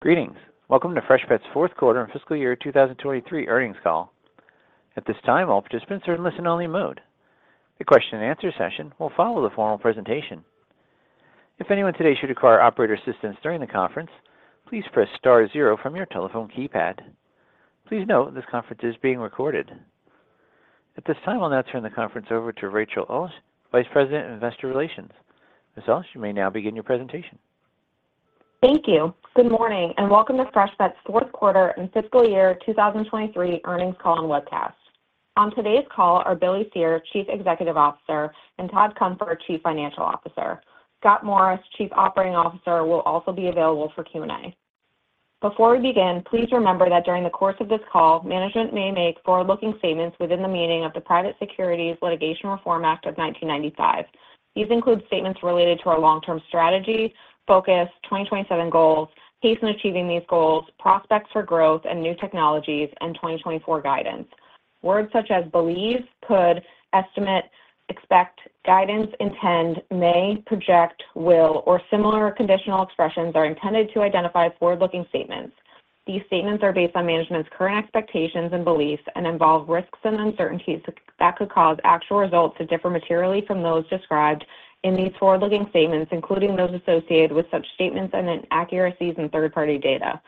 Greetings. Welcome to Freshpet's fourth quarter and fiscal year 2023 earnings call. At this time, all participants are in listen-only mode. The question-and-answer session will follow the formal presentation. If anyone today should require operator assistance during the conference, please press star zero from your telephone keypad. Please note, this conference is being recorded. At this time, I'll now turn the conference over to Rachel Ulsh, Vice President of Investor Relations. Ms. Ulsh, you may now begin your presentation. Thank you. Good morning, and welcome to Freshpet's fourth quarter and fiscal year 2023 earnings call and webcast. On today's call are Billy Cyr, Chief Executive Officer, and Todd Cunfer, Chief Financial Officer. Scott Morris, Chief Operating Officer, will also be available for Q&A. Before we begin, please remember that during the course of this call, management may make forward-looking statements within the meaning of the Private Securities Litigation Reform Act of 1995. These include statements related to our long-term strategy, focus, 2027 goals, pace in achieving these goals, prospects for growth and new technologies, and 2024 guidance. Words such as believe, could, estimate, expect, guidance, intend, may, project, will, or similar conditional expressions are intended to identify forward-looking statements. These statements are based on management's current expectations and beliefs and involve risks and uncertainties that could cause actual results to differ materially from those described in these forward-looking statements, including those associated with such statements and inaccuracies in third-party data.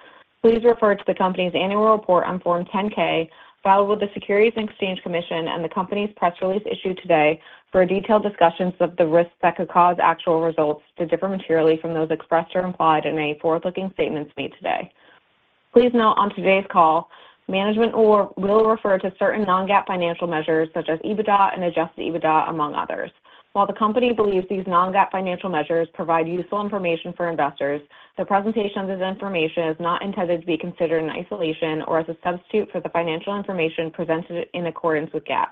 Please refer to the company's annual report on Form 10-K filed with the Securities and Exchange Commission and the company's press release issued today for detailed discussions of the risks that could cause actual results to differ materially from those expressed or implied in forward-looking statements made today. Please note, on today's call, management will refer to certain non-GAAP financial measures such as EBITDA and adjusted EBITDA, among others. While the company believes these non-GAAP financial measures provide useful information for investors, the presentation of this information is not intended to be considered in isolation or as a substitute for the financial information presented in accordance with GAAP.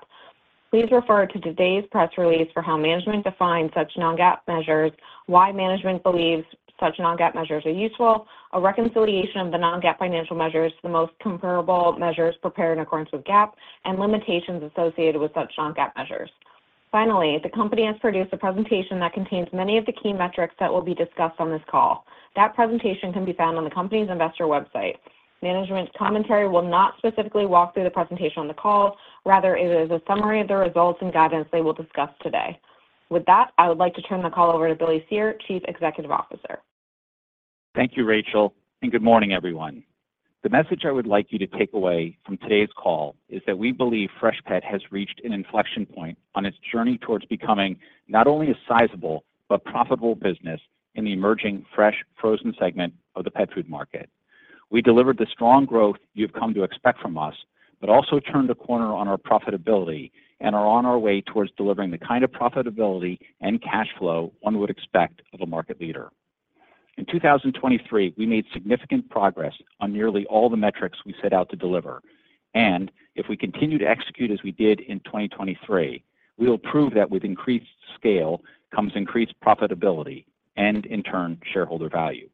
Please refer to today's press release for how management defines such non-GAAP measures, why management believes such non-GAAP measures are useful, a reconciliation of the non-GAAP financial measures to the most comparable measures prepared in accordance with GAAP, and limitations associated with such non-GAAP measures. Finally, the company has produced a presentation that contains many of the key metrics that will be discussed on this call. That presentation can be found on the company's investor website. Management commentary will not specifically walk through the presentation on the call; rather, it is a summary of the results and guidance they will discuss today. With that, I would like to turn the call over to Billy Cyr, Chief Executive Officer. Thank you, Rachel, and good morning, everyone. The message I would like you to take away from today's call is that we believe Freshpet has reached an inflection point on its journey towards becoming not only a sizable but profitable business in the emerging Fresh-Frozen segment of the pet food market. We delivered the strong growth you've come to expect from us but also turned a corner on our profitability and are on our way towards delivering the kind of profitability and cash flow one would expect of a market leader. In 2023, we made significant progress on nearly all the metrics we set out to deliver, and if we continue to execute as we did in 2023, we will prove that with increased scale comes increased profitability and, in turn, shareholder value.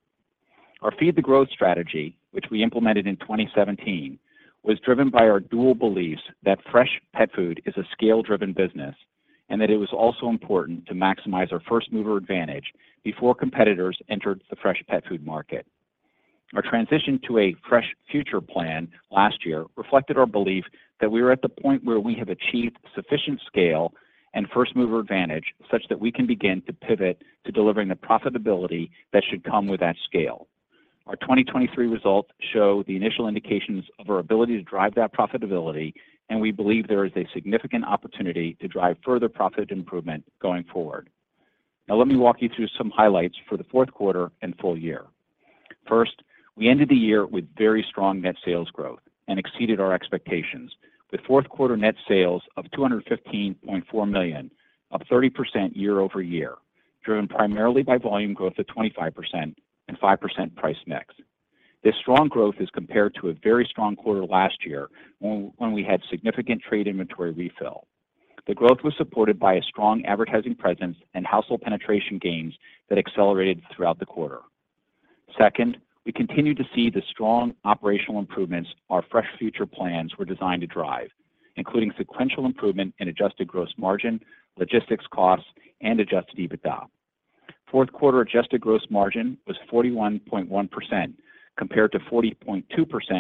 Feed the Growth strategy, which we implemented in 2017, was driven by our dual beliefs that fresh pet food is a scale-driven business and that it was also important to maximize our first-mover advantage before competitors entered the fresh pet food market. Our transition to a Fresh Future Plan last year reflected our belief that we were at the point where we have achieved sufficient scale and first-mover advantage such that we can begin to pivot to delivering the profitability that should come with that scale. Our 2023 results show the initial indications of our ability to drive that profitability, and we believe there is a significant opportunity to drive further profit improvement going forward. Now, let me walk you through some highlights for the fourth quarter and full year. First, we ended the year with very strong net sales growth and exceeded our expectations, with fourth-quarter net sales of $215.4 million, up 30% year-over-year, driven primarily by volume growth of 25% and 5% price mix. This strong growth is compared to a very strong quarter last year when we had significant trade inventory refill. The growth was supported by a strong advertising presence and household penetration gains that accelerated throughout the quarter. Second, we continue to see the strong operational improvements our Fresh Future Plan was designed to drive, including sequential improvement in Adjusted Gross Margin, logistics costs, and Adjusted EBITDA. Fourth-quarter Adjusted Gross Margin was 41.1% compared to 40.2%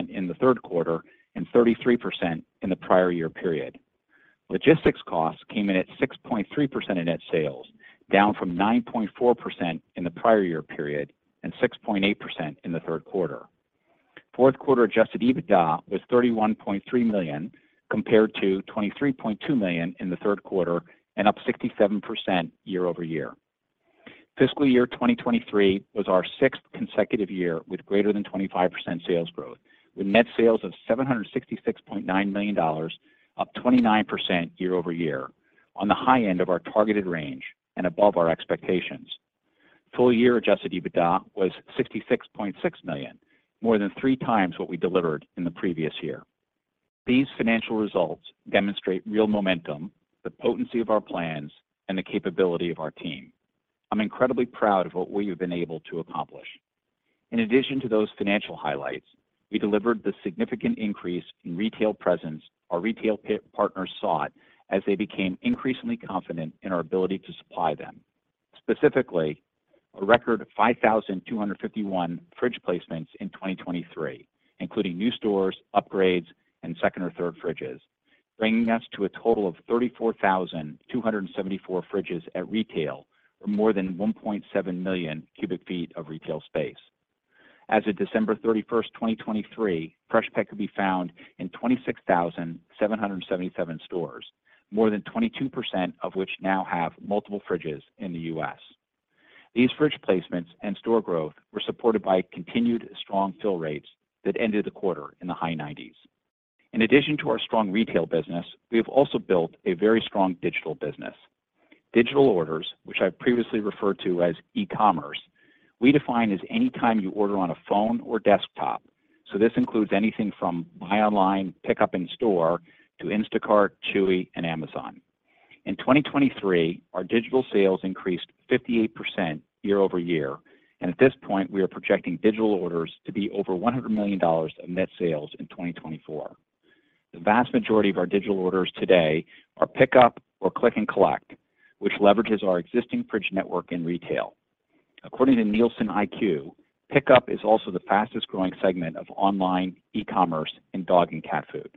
in the third quarter and 33% in the prior year period. Logistics costs came in at 6.3% of net sales, down from 9.4% in the prior year period and 6.8% in the third quarter. Fourth-quarter adjusted EBITDA was $31.3 million compared to $23.2 million in the third quarter and up 67% year-over-year. Fiscal year 2023 was our sixth consecutive year with greater than 25% sales growth, with net sales of $766.9 million, up 29% year-over-year, on the high end of our targeted range and above our expectations. Full-year adjusted EBITDA was $66.6 million, more than three times what we delivered in the previous year. These financial results demonstrate real momentum, the potency of our plans, and the capability of our team. I'm incredibly proud of what we have been able to accomplish. In addition to those financial highlights, we delivered the significant increase in retail presence our retail partners sought as they became increasingly confident in our ability to supply them. Specifically, a record of 5,251 fridge placements in 2023, including new stores, upgrades, and second or third fridges, bringing us to a total of 34,274 fridges at retail or more than 1.7 million cubic feet of retail space. As of December 31st, 2023, Freshpet could be found in 26,777 stores, more than 22% of which now have multiple fridges in the U.S. These fridge placements and store growth were supported by continued strong fill rates that ended the quarter in the high 90s. In addition to our strong retail business, we have also built a very strong digital business. Digital orders, which I've previously referred to as e-commerce, we define as anytime you order on a phone or desktop, so this includes anything from buy online, pick up in store, to Instacart, Chewy, and Amazon. In 2023, our digital sales increased 58% year-over-year, and at this point, we are projecting digital orders to be over $100 million of net sales in 2024. The vast majority of our digital orders today are pick up or click and collect, which leverages our existing fridge network in retail. According to NielsenIQ, pick up is also the fastest growing segment of online e-commerce in dog and cat food.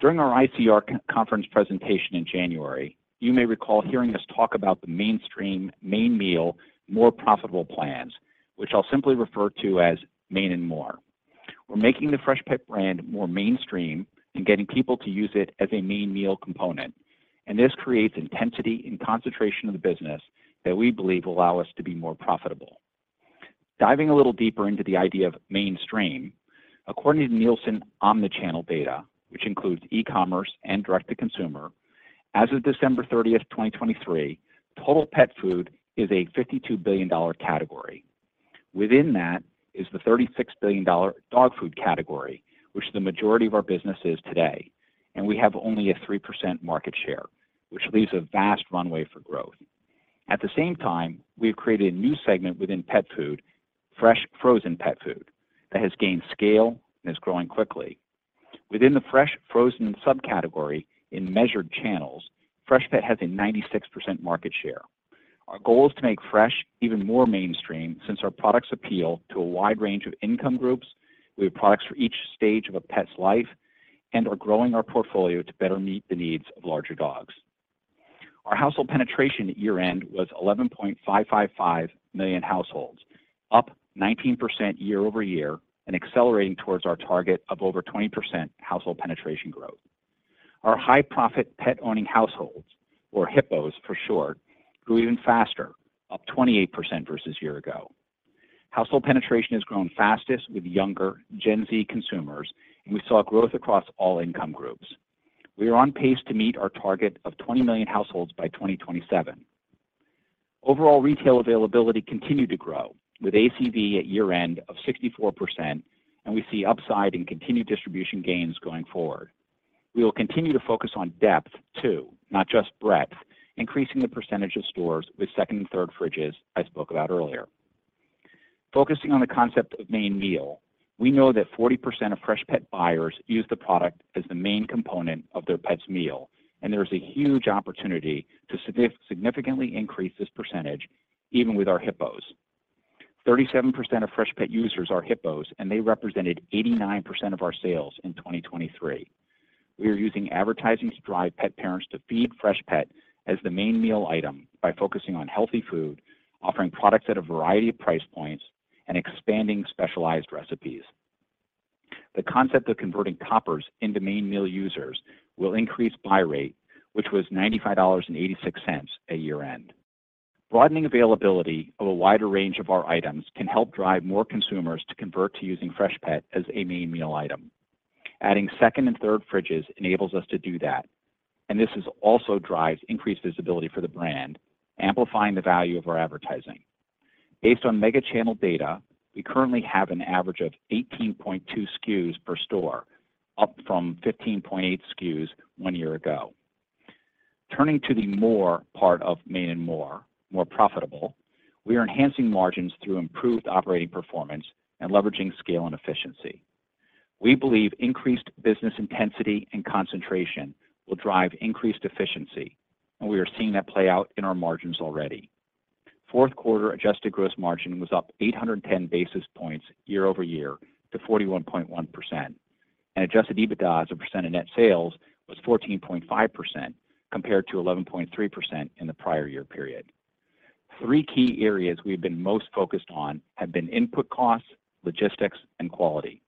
During our ICR conference presentation in January, you may recall hearing us talk about the mainstream main meal more profitable plans, which I'll simply refer to as main and more. We're making the Freshpet brand more mainstream and getting people to use it as a main meal component, and this creates intensity and concentration of the business that we believe will allow us to be more profitable. Diving a little deeper into the idea of mainstream, according to Nielsen Omnichannel data, which includes e-commerce and direct-to-consumer, as of December 30th, 2023, total pet food is a $52 billion category. Within that is the $36 billion dog food category, which the majority of our business is today, and we have only a 3% market share, which leaves a vast runway for growth. At the same time, we have created a new segment within pet food, Fresh-Frozen pet food, that has gained scale and is growing quickly. Within the Fresh-Frozen subcategory in measured channels, Freshpet has a 96% market share. Our goal is to make fresh even more mainstream since our products appeal to a wide range of income groups. We have products for each stage of a pet's life and are growing our portfolio to better meet the needs of larger dogs. Our household penetration at year-end was 11.555 million households, up 19% year-over-year and accelerating towards our target of over 20% household penetration growth. Our high-profit pet-owning households, or HIPPOs for short, grew even faster, up 28% versus a year ago. Household penetration has grown fastest with younger Gen Z consumers, and we saw growth across all income groups. We are on pace to meet our target of 20 million households by 2027. Overall retail availability continued to grow with ACV at year-end of 64%, and we see upside in continued distribution gains going forward. We will continue to focus on depth too, not just breadth, increasing the percentage of stores with second and third fridges I spoke about earlier. Focusing on the concept of main meal, we know that 40% of Freshpet buyers use the product as the main component of their pet's meal, and there is a huge opportunity to significantly increase this percentage even with our HIPPOs. 37% of Freshpet users are HIPPOs, and they represented 89% of our sales in 2023. We are using advertising to drive pet parents to feed Freshpet as the main meal item by focusing on healthy food, offering products at a variety of price points, and expanding specialized recipes. The concept of converting toppers into main meal users will increase buy rate, which was $95.86 at year-end. Broadening availability of a wider range of our items can help drive more consumers to convert to using Freshpet as a main meal item. Adding second and third fridges enables us to do that, and this also drives increased visibility for the brand, amplifying the value of our advertising. Based on Mega-Channel Data, we currently have an average of 18.2 SKUs per store, up from 15.8 SKUs one year ago. Turning to the more part of Main and More, more profitable, we are enhancing margins through improved operating performance and leveraging scale and efficiency. We believe increased business intensity and concentration will drive increased efficiency, and we are seeing that play out in our margins already. Fourth-quarter Adjusted Gross Margin was up 810 basis points year-over-year to 41.1%, and Adjusted EBITDA as a percent of net sales was 14.5% compared to 11.3% in the prior year period. Three key areas we have been most focused on have been input costs, logistics, and quality,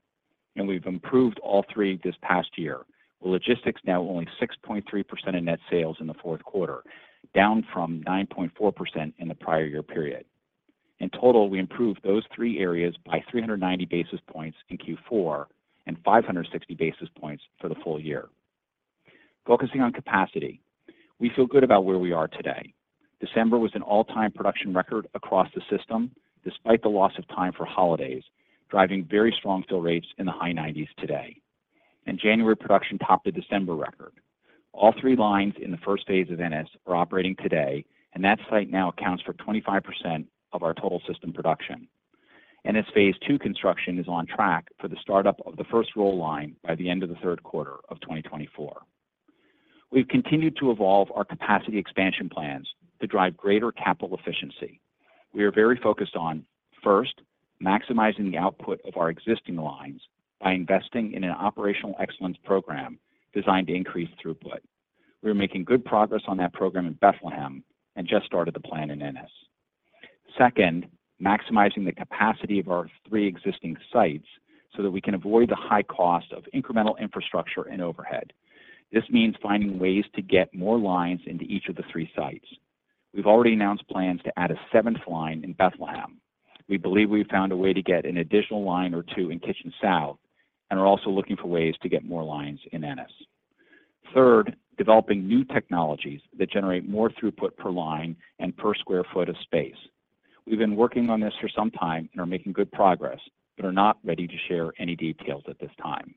and we've improved all three this past year with logistics now only 6.3% of net sales in the fourth quarter, down from 9.4% in the prior year period. In total, we improved those three areas by 390 basis points in Q4 and 560 basis points for the full year. Focusing on capacity, we feel good about where we are today. December was an all-time production record across the system despite the loss of time for holidays, driving very strong fill rates in the high 90s today, and January production topped the December record. All three lines in the first phase of Ennis are operating today, and that site now accounts for 25% of our total system production. Ennis phase two construction is on track for the startup of the first roll line by the end of the third quarter of 2024. We've continued to evolve our capacity expansion plans to drive greater capital efficiency. We are very focused on, first, maximizing the output of our existing lines by investing in an operational excellence program designed to increase throughput. We are making good progress on that program in Bethlehem and just started the plan in Ennis. Second, maximizing the capacity of our three existing sites so that we can avoid the high cost of incremental infrastructure and overhead. This means finding ways to get more lines into each of the three sites. We've already announced plans to add a seventh line in Bethlehem. We believe we've found a way to get an additional line or two in Kitchens South and are also looking for ways to get more lines in Ennis. Third, developing new technologies that generate more throughput per line and per sq ft of space. We've been working on this for some time and are making good progress but are not ready to share any details at this time.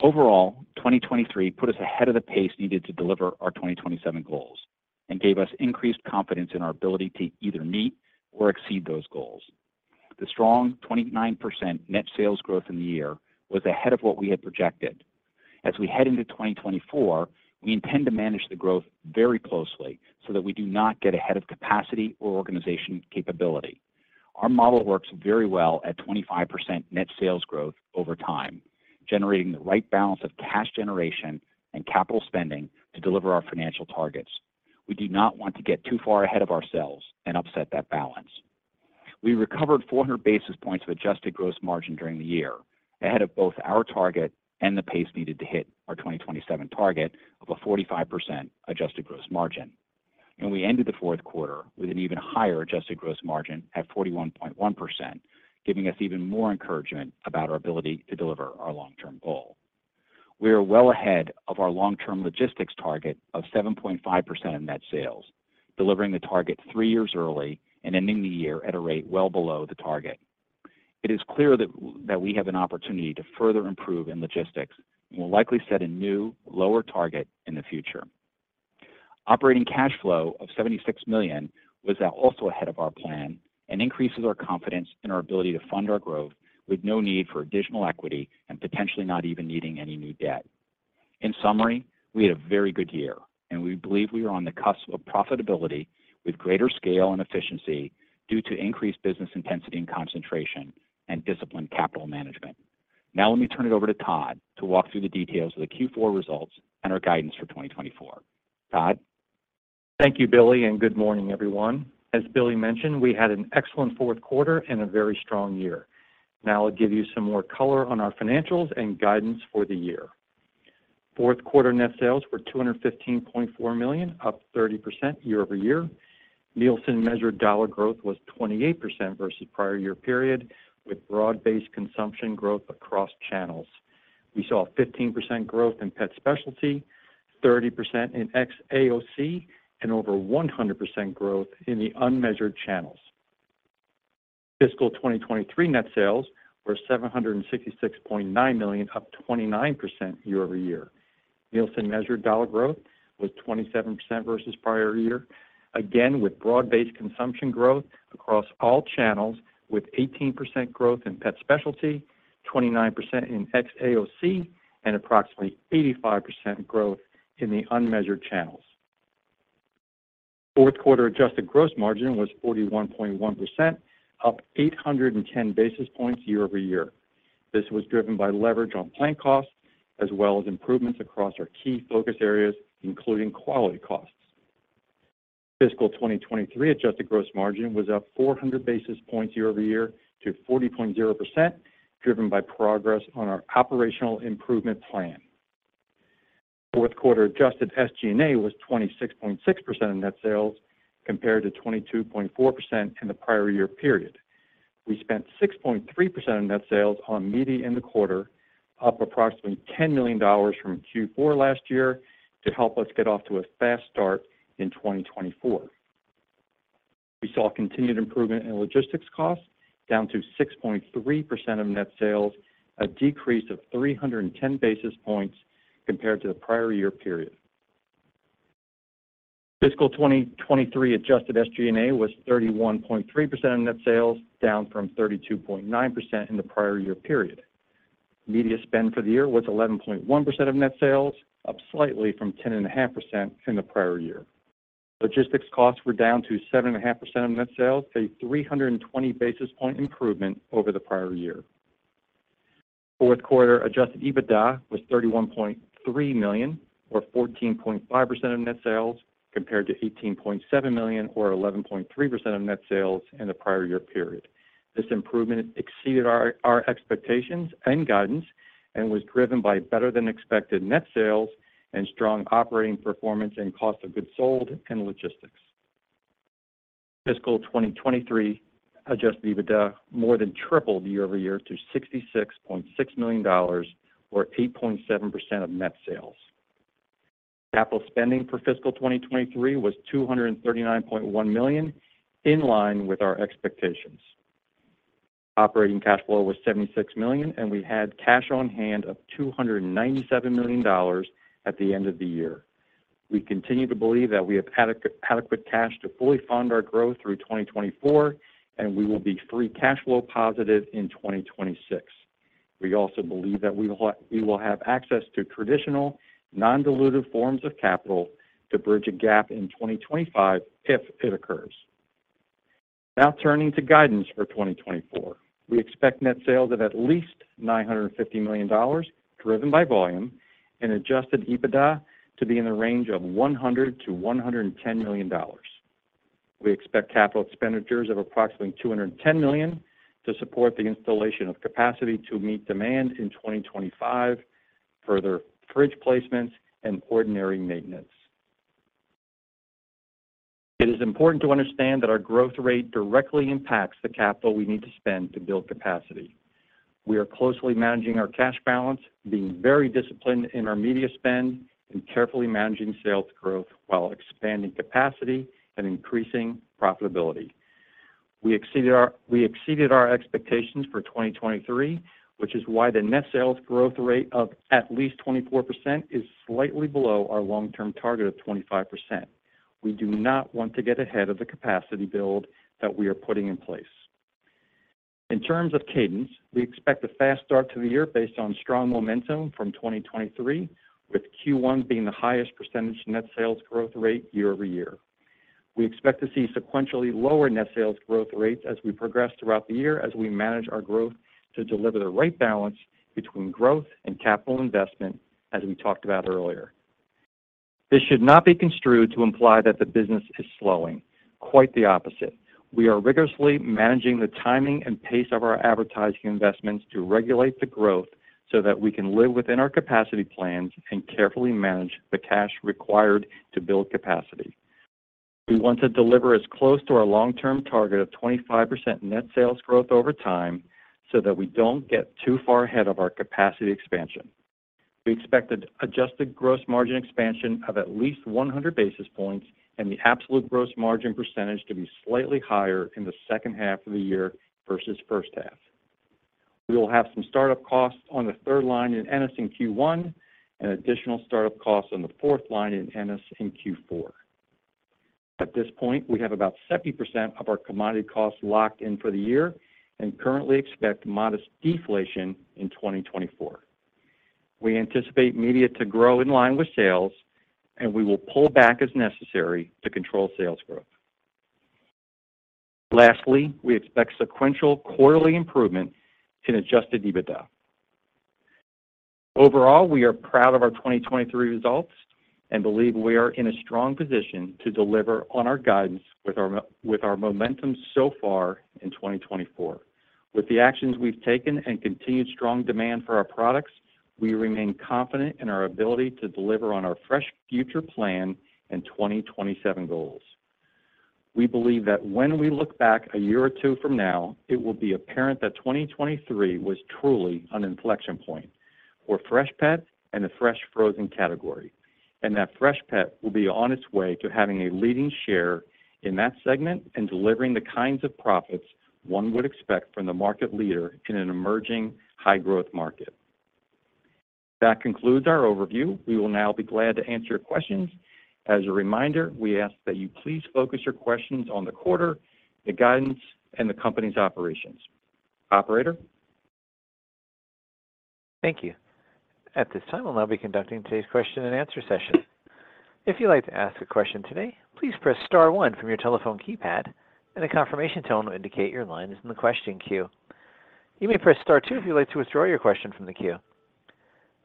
Overall, 2023 put us ahead of the pace needed to deliver our 2027 goals and gave us increased confidence in our ability to either meet or exceed those goals. The strong 29% net sales growth in the year was ahead of what we had projected. As we head into 2024, we intend to manage the growth very closely so that we do not get ahead of capacity or organization capability. Our model works very well at 25% net sales growth over time, generating the right balance of cash generation and capital spending to deliver our financial targets. We do not want to get too far ahead of ourselves and upset that balance. We recovered 400 basis points of adjusted gross margin during the year, ahead of both our target and the pace needed to hit our 2027 target of a 45% adjusted gross margin, and we ended the fourth quarter with an even higher adjusted gross margin at 41.1%, giving us even more encouragement about our ability to deliver our long-term goal. We are well ahead of our long-term logistics target of 7.5% of net sales, delivering the target three years early and ending the year at a rate well below the target. It is clear that we have an opportunity to further improve in logistics and will likely set a new lower target in the future. Operating cash flow of $76 million was also ahead of our plan and increases our confidence in our ability to fund our growth with no need for additional equity and potentially not even needing any new debt. In summary, we had a very good year, and we believe we are on the cusp of profitability with greater scale and efficiency due to increased business intensity and concentration and disciplined capital management. Now let me turn it over to Todd to walk through the details of the Q4 results and our guidance for 2024. Todd. Thank you, Billy, and good morning, everyone. As Billy mentioned, we had an excellent fourth quarter and a very strong year. Now I'll give you some more color on our financials and guidance for the year. Fourth quarter net sales were $215.4 million, up 30% year-over-year. Nielsen measured dollar growth was 28% versus prior year period with broad-based consumption growth across channels. We saw 15% growth in pet specialty, 30% in AOC, and over 100% growth in the unmeasured channels. Fiscal 2023 net sales were $766.9 million, up 29% year-over-year. Nielsen measured dollar growth was 27% versus prior year, again with broad-based consumption growth across all channels with 18% growth in pet specialty, 29% in AOC, and approximately 85% growth in the unmeasured channels. Fourth quarter adjusted gross margin was 41.1%, up 810 basis points year-over-year. This was driven by leverage on plant costs as well as improvements across our key focus areas, including quality costs. Fiscal 2023 adjusted gross margin was up 400 basis points year-over-year to 40.0%, driven by progress on our operational improvement plan. Fourth quarter adjusted SG&A was 26.6% of net sales compared to 22.4% in the prior year period. We spent 6.3% of net sales on media in the quarter, up approximately $10 million from Q4 last year to help us get off to a fast start in 2024. We saw continued improvement in logistics costs down to 6.3% of net sales, a decrease of 310 basis points compared to the prior year period. Fiscal 2023 adjusted SG&A was 31.3% of net sales, down from 32.9% in the prior year period. Media spend for the year was 11.1% of net sales, up slightly from 10.5% in the prior year. Logistics costs were down to 7.5% of net sales, a 320 basis point improvement over the prior year. Fourth quarter Adjusted EBITDA was $31.3 million, or 14.5% of net sales, compared to $18.7 million, or 11.3% of net sales in the prior year period. This improvement exceeded our expectations and guidance and was driven by better-than-expected net sales and strong operating performance and cost of goods sold and logistics. Fiscal 2023 Adjusted EBITDA more than tripled year-over-year to $66.6 million, or 8.7% of net sales. Capital spending for fiscal 2023 was $239.1 million, in line with our expectations. Operating cash flow was $76 million, and we had cash on hand of $297 million at the end of the year. We continue to believe that we have adequate cash to fully fund our growth through 2024, and we will be free cash flow positive in 2026. We also believe that we will have access to traditional, non-dilutive forms of capital to bridge a gap in 2025 if it occurs. Now turning to guidance for 2024, we expect net sales of at least $950 million, driven by volume, and Adjusted EBITDA to be in the range of $100-$110 million. We expect capital expenditures of approximately $210 million to support the installation of capacity to meet demand in 2025, further fridge placements, and ordinary maintenance. It is important to understand that our growth rate directly impacts the capital we need to spend to build capacity. We are closely managing our cash balance, being very disciplined in our media spend, and carefully managing sales growth while expanding capacity and increasing profitability. We exceeded our expectations for 2023, which is why the net sales growth rate of at least 24% is slightly below our long-term target of 25%. We do not want to get ahead of the capacity build that we are putting in place. In terms of cadence, we expect a fast start to the year based on strong momentum from 2023, with Q1 being the highest percentage net sales growth rate year-over-year. We expect to see sequentially lower net sales growth rates as we progress throughout the year as we manage our growth to deliver the right balance between growth and capital investment, as we talked about earlier. This should not be construed to imply that the business is slowing. Quite the opposite. We are rigorously managing the timing and pace of our advertising investments to regulate the growth so that we can live within our capacity plans and carefully manage the cash required to build capacity. We want to deliver as close to our long-term target of 25% net sales growth over time so that we don't get too far ahead of our capacity expansion. We expect an adjusted gross margin expansion of at least 100 basis points and the absolute gross margin percentage to be slightly higher in the second half of the year versus first half. We will have some startup costs on the third line in Ennis in Q1 and additional startup costs on the fourth line in Ennis in Q4. At this point, we have about 70% of our commodity costs locked in for the year and currently expect modest deflation in 2024. We anticipate media to grow in line with sales, and we will pull back as necessary to control sales growth. Lastly, we expect sequential quarterly improvement in adjusted EBITDA. Overall, we are proud of our 2023 results and believe we are in a strong position to deliver on our guidance with our momentum so far in 2024. With the actions we've taken and continued strong demand for our products, we remain confident in our ability to deliver on our Fresh Future Plan and 2027 goals. We believe that when we look back a year or two from now, it will be apparent that 2023 was truly an inflection point for Freshpet and the Fresh-Frozen category, and that Freshpet will be on its way to having a leading share in that segment and delivering the kinds of profits one would expect from the market leader in an emerging high-growth market. That concludes our overview. We will now be glad to answer your questions. As a reminder, we ask that you please focus your questions on the quarter, the guidance, and the company's operations. Operator. Thank you. At this time, I'll now be conducting today's question and answer session. If you'd like to ask a question today, please press star 1 from your telephone keypad, and a confirmation tone will indicate your line is in the question queue. You may press star 2 if you'd like to withdraw your question from the queue.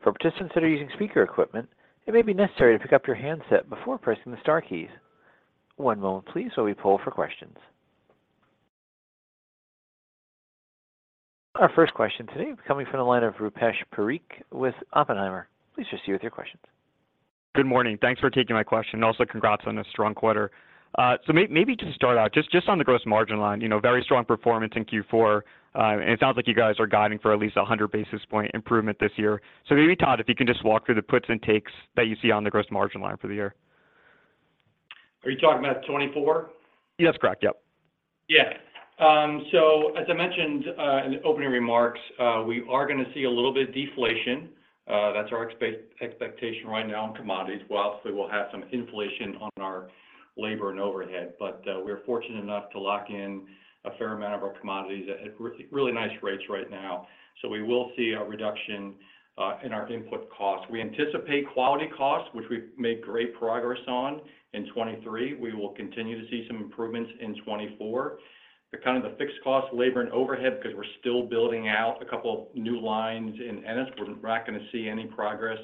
For participants that are using speaker equipment, it may be necessary to pick up your handset before pressing the star keys. One moment, please, while we poll for questions. Our first question today is coming from the line of Rupesh Parikh with Oppenheimer. Please proceed with your questions. Good morning. Thanks for taking my question. Also, congrats on a strong quarter. So maybe just to start out, just on the gross margin line, very strong performance in Q4, and it sounds like you guys are guiding for at least 100 basis point improvement this year. So maybe, Todd, if you can just walk through the puts and takes that you see on the gross margin line for the year. Are you talking about 2024? Yes, correct. Yep. Yeah. So as I mentioned in the opening remarks, we are going to see a little bit of deflation. That's our expectation right now in commodities. Obviously, we'll have some inflation on our labor and overhead, but we're fortunate enough to lock in a fair amount of our commodities at really nice rates right now. So we will see a reduction in our input costs. We anticipate quality costs, which we've made great progress on in 2023. We will continue to see some improvements in 2024. Kind of the fixed cost labor and overhead because we're still building out a couple of new lines in Ennis, we're not going to see any progress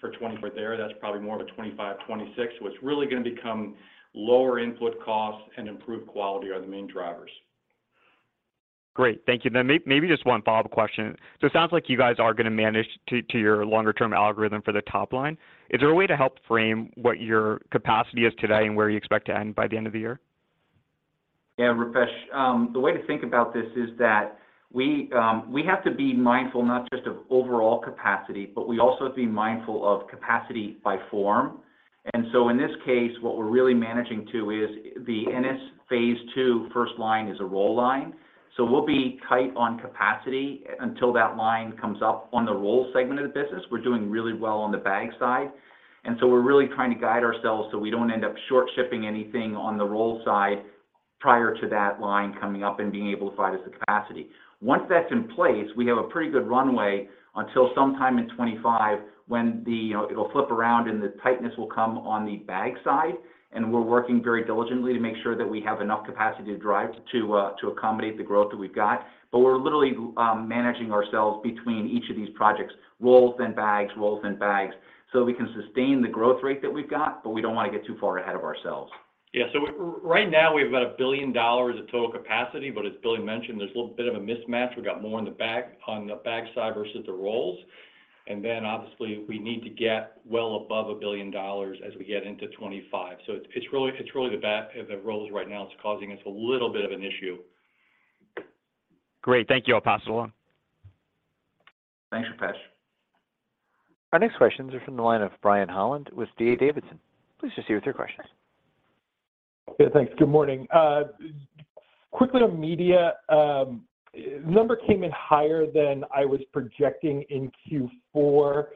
for 2024. There, that's probably more of a 2025, 2026, so it's really going to become lower input costs and improved quality are the main drivers. Great. Thank you. Then maybe just one follow-up question. So it sounds like you guys are going to manage to your longer-term algorithm for the top line. Is there a way to help frame what your capacity is today and where you expect to end by the end of the year? Yeah, Rupesh. The way to think about this is that we have to be mindful not just of overall capacity, but we also have to be mindful of capacity by form. And so in this case, what we're really managing to is the Ennis phase two first line is a roll line. So we'll be tight on capacity until that line comes up on the roll segment of the business. We're doing really well on the bag side, and so we're really trying to guide ourselves so we don't end up shortshipping anything on the roll side prior to that line coming up and being able to provide us the capacity. Once that's in place, we have a pretty good runway until sometime in 2025 when it'll flip around and the tightness will come on the bag side, and we're working very diligently to make sure that we have enough capacity to accommodate the growth that we've got. But we're literally managing ourselves between each of these projects, rolls then bags, rolls then bags, so we can sustain the growth rate that we've got, but we don't want to get too far ahead of ourselves. Yeah. So right now, we have about $1 billion of total capacity, but as Billy mentioned, there's a little bit of a mismatch. We got more on the bag side versus the rolls. And then, obviously, we need to get well above $1 billion as we get into 2025. So it's really the rolls right now. It's causing us a little bit of an issue. Great. Thank you. Thanks, Rupesh. Our next questions are from the line of Brian Holland with D.A. Davidson. Please proceed with your questions. Yeah, thanks. Good morning. Quickly on media, the number came in higher than I was projecting in Q4,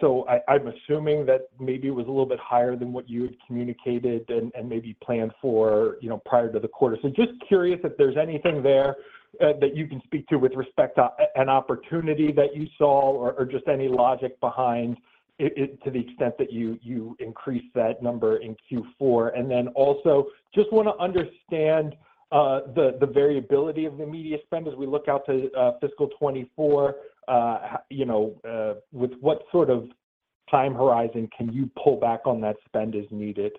so I'm assuming that maybe it was a little bit higher than what you had communicated and maybe planned for prior to the quarter. So just curious if there's anything there that you can speak to with respect to an opportunity that you saw or just any logic behind it to the extent that you increased that number in Q4. And then also, just want to understand the variability of the media spend as we look out to fiscal 2024. With what sort of time horizon can you pull back on that spend as needed?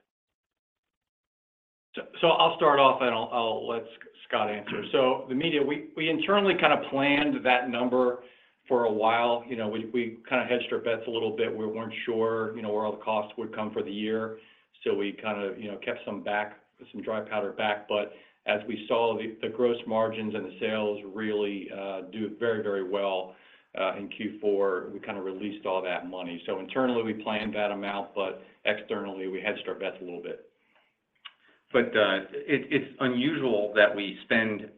So I'll start off, and let Scott answer. So the margin, we internally kind of planned that number for a while. We kind of hedged our bets a little bit. We weren't sure where all the costs would come for the year, so we kind of kept some dry powder back. But as we saw, the gross margins and the sales really do very, very well in Q4. We kind of released all that money. So internally, we planned that amount, but externally, we hedged our bets a little bit. But it's unusual that we spend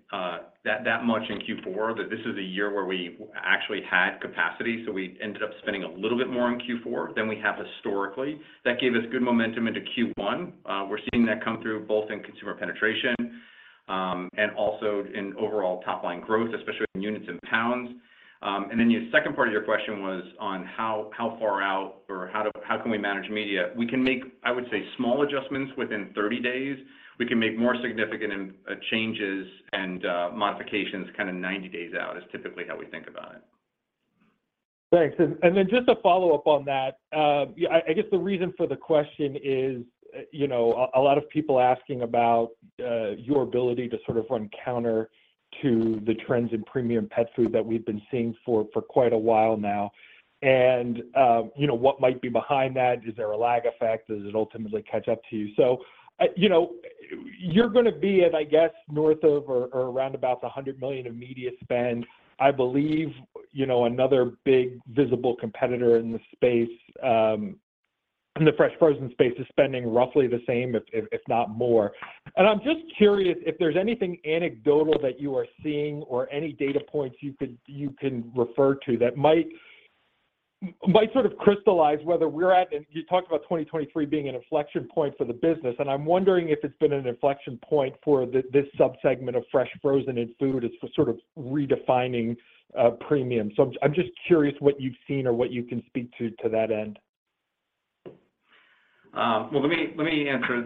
that much in Q4, that this is a year where we actually had capacity. So we ended up spending a little bit more in Q4 than we have historically. That gave us good momentum into Q1. We're seeing that come through both in consumer penetration and also in overall top line growth, especially in units and pounds. And then the second part of your question was on how far out or how can we manage media. We can make, I would say, small adjustments within 30 days. We can make more significant changes and modifications kind of 90 days out is typically how we think about it. Thanks. Then just to follow up on that, I guess the reason for the question is a lot of people asking about your ability to sort of run counter to the trends in premium pet food that we've been seeing for quite a while now. And what might be behind that? Is there a lag effect? Does it ultimately catch up to you? So you're going to be at, I guess, north of or around about $100 million of media spend. I believe another big visible competitor in the fresh frozen space is spending roughly the same, if not more. I'm just curious if there's anything anecdotal that you are seeing or any data points you can refer to that might sort of crystallize whether we're at and you talked about 2023 being an inflection point for the business, and I'm wondering if it's been an inflection point for this subsegment of fresh frozen and food as sort of redefining premium. So I'm just curious what you've seen or what you can speak to that end. Well, let me answer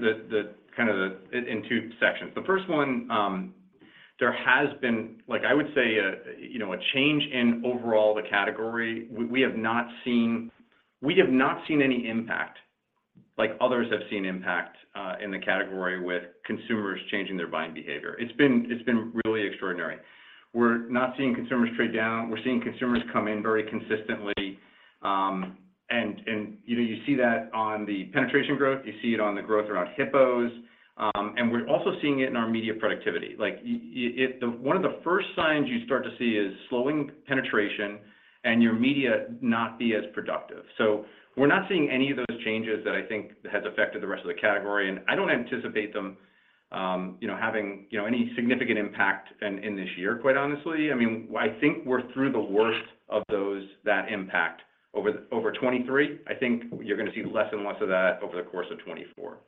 kind of in two sections. The first one, there has been, I would say, a change in overall the category. We have not seen any impact like others have seen impact in the category with consumers changing their buying behavior. It's been really extraordinary. We're not seeing consumers trade down. We're seeing consumers come in very consistently. And you see that on the penetration growth. You see it on the growth around HIPPOs. And we're also seeing it in our media productivity. One of the first signs you start to see is slowing penetration and your media not be as productive. So we're not seeing any of those changes that I think has affected the rest of the category. And I don't anticipate them having any significant impact in this year, quite honestly. I mean, I think we're through the worst of that impact over 2023. I think you're going to see less and less of that over the course of 2024.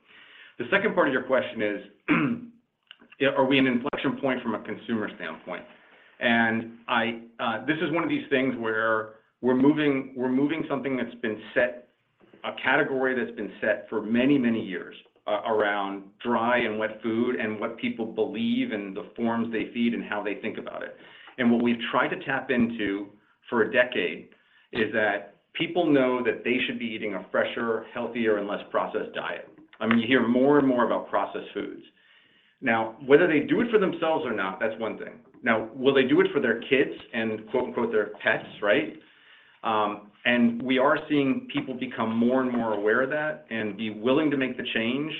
The second part of your question is, are we an inflection point from a consumer standpoint? And this is one of these things where we're moving something that's been set a category that's been set for many, many years around dry and wet food and what people believe in the forms they feed and how they think about it. And what we've tried to tap into for a decade is that people know that they should be eating a fresher, healthier, and less processed diet. I mean, you hear more and more about processed foods. Now, whether they do it for themselves or not, that's one thing. Now, will they do it for their kids and "their pets," right? We are seeing people become more and more aware of that and be willing to make the change.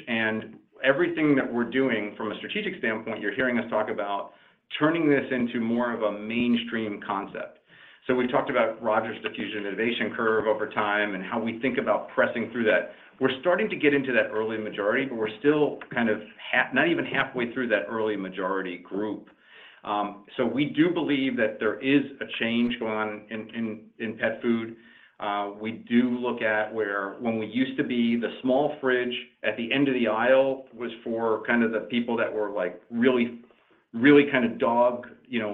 Everything that we're doing from a strategic standpoint, you're hearing us talk about turning this into more of a mainstream concept. So we've talked about Rogers Diffusion Innovation Curve over time and how we think about pressing through that. We're starting to get into that early majority, but we're still kind of not even halfway through that early majority group. So we do believe that there is a change going on in pet food. We do look at where, when we used to be the small fridge at the end of the aisle was for kind of the people that were really kind of dog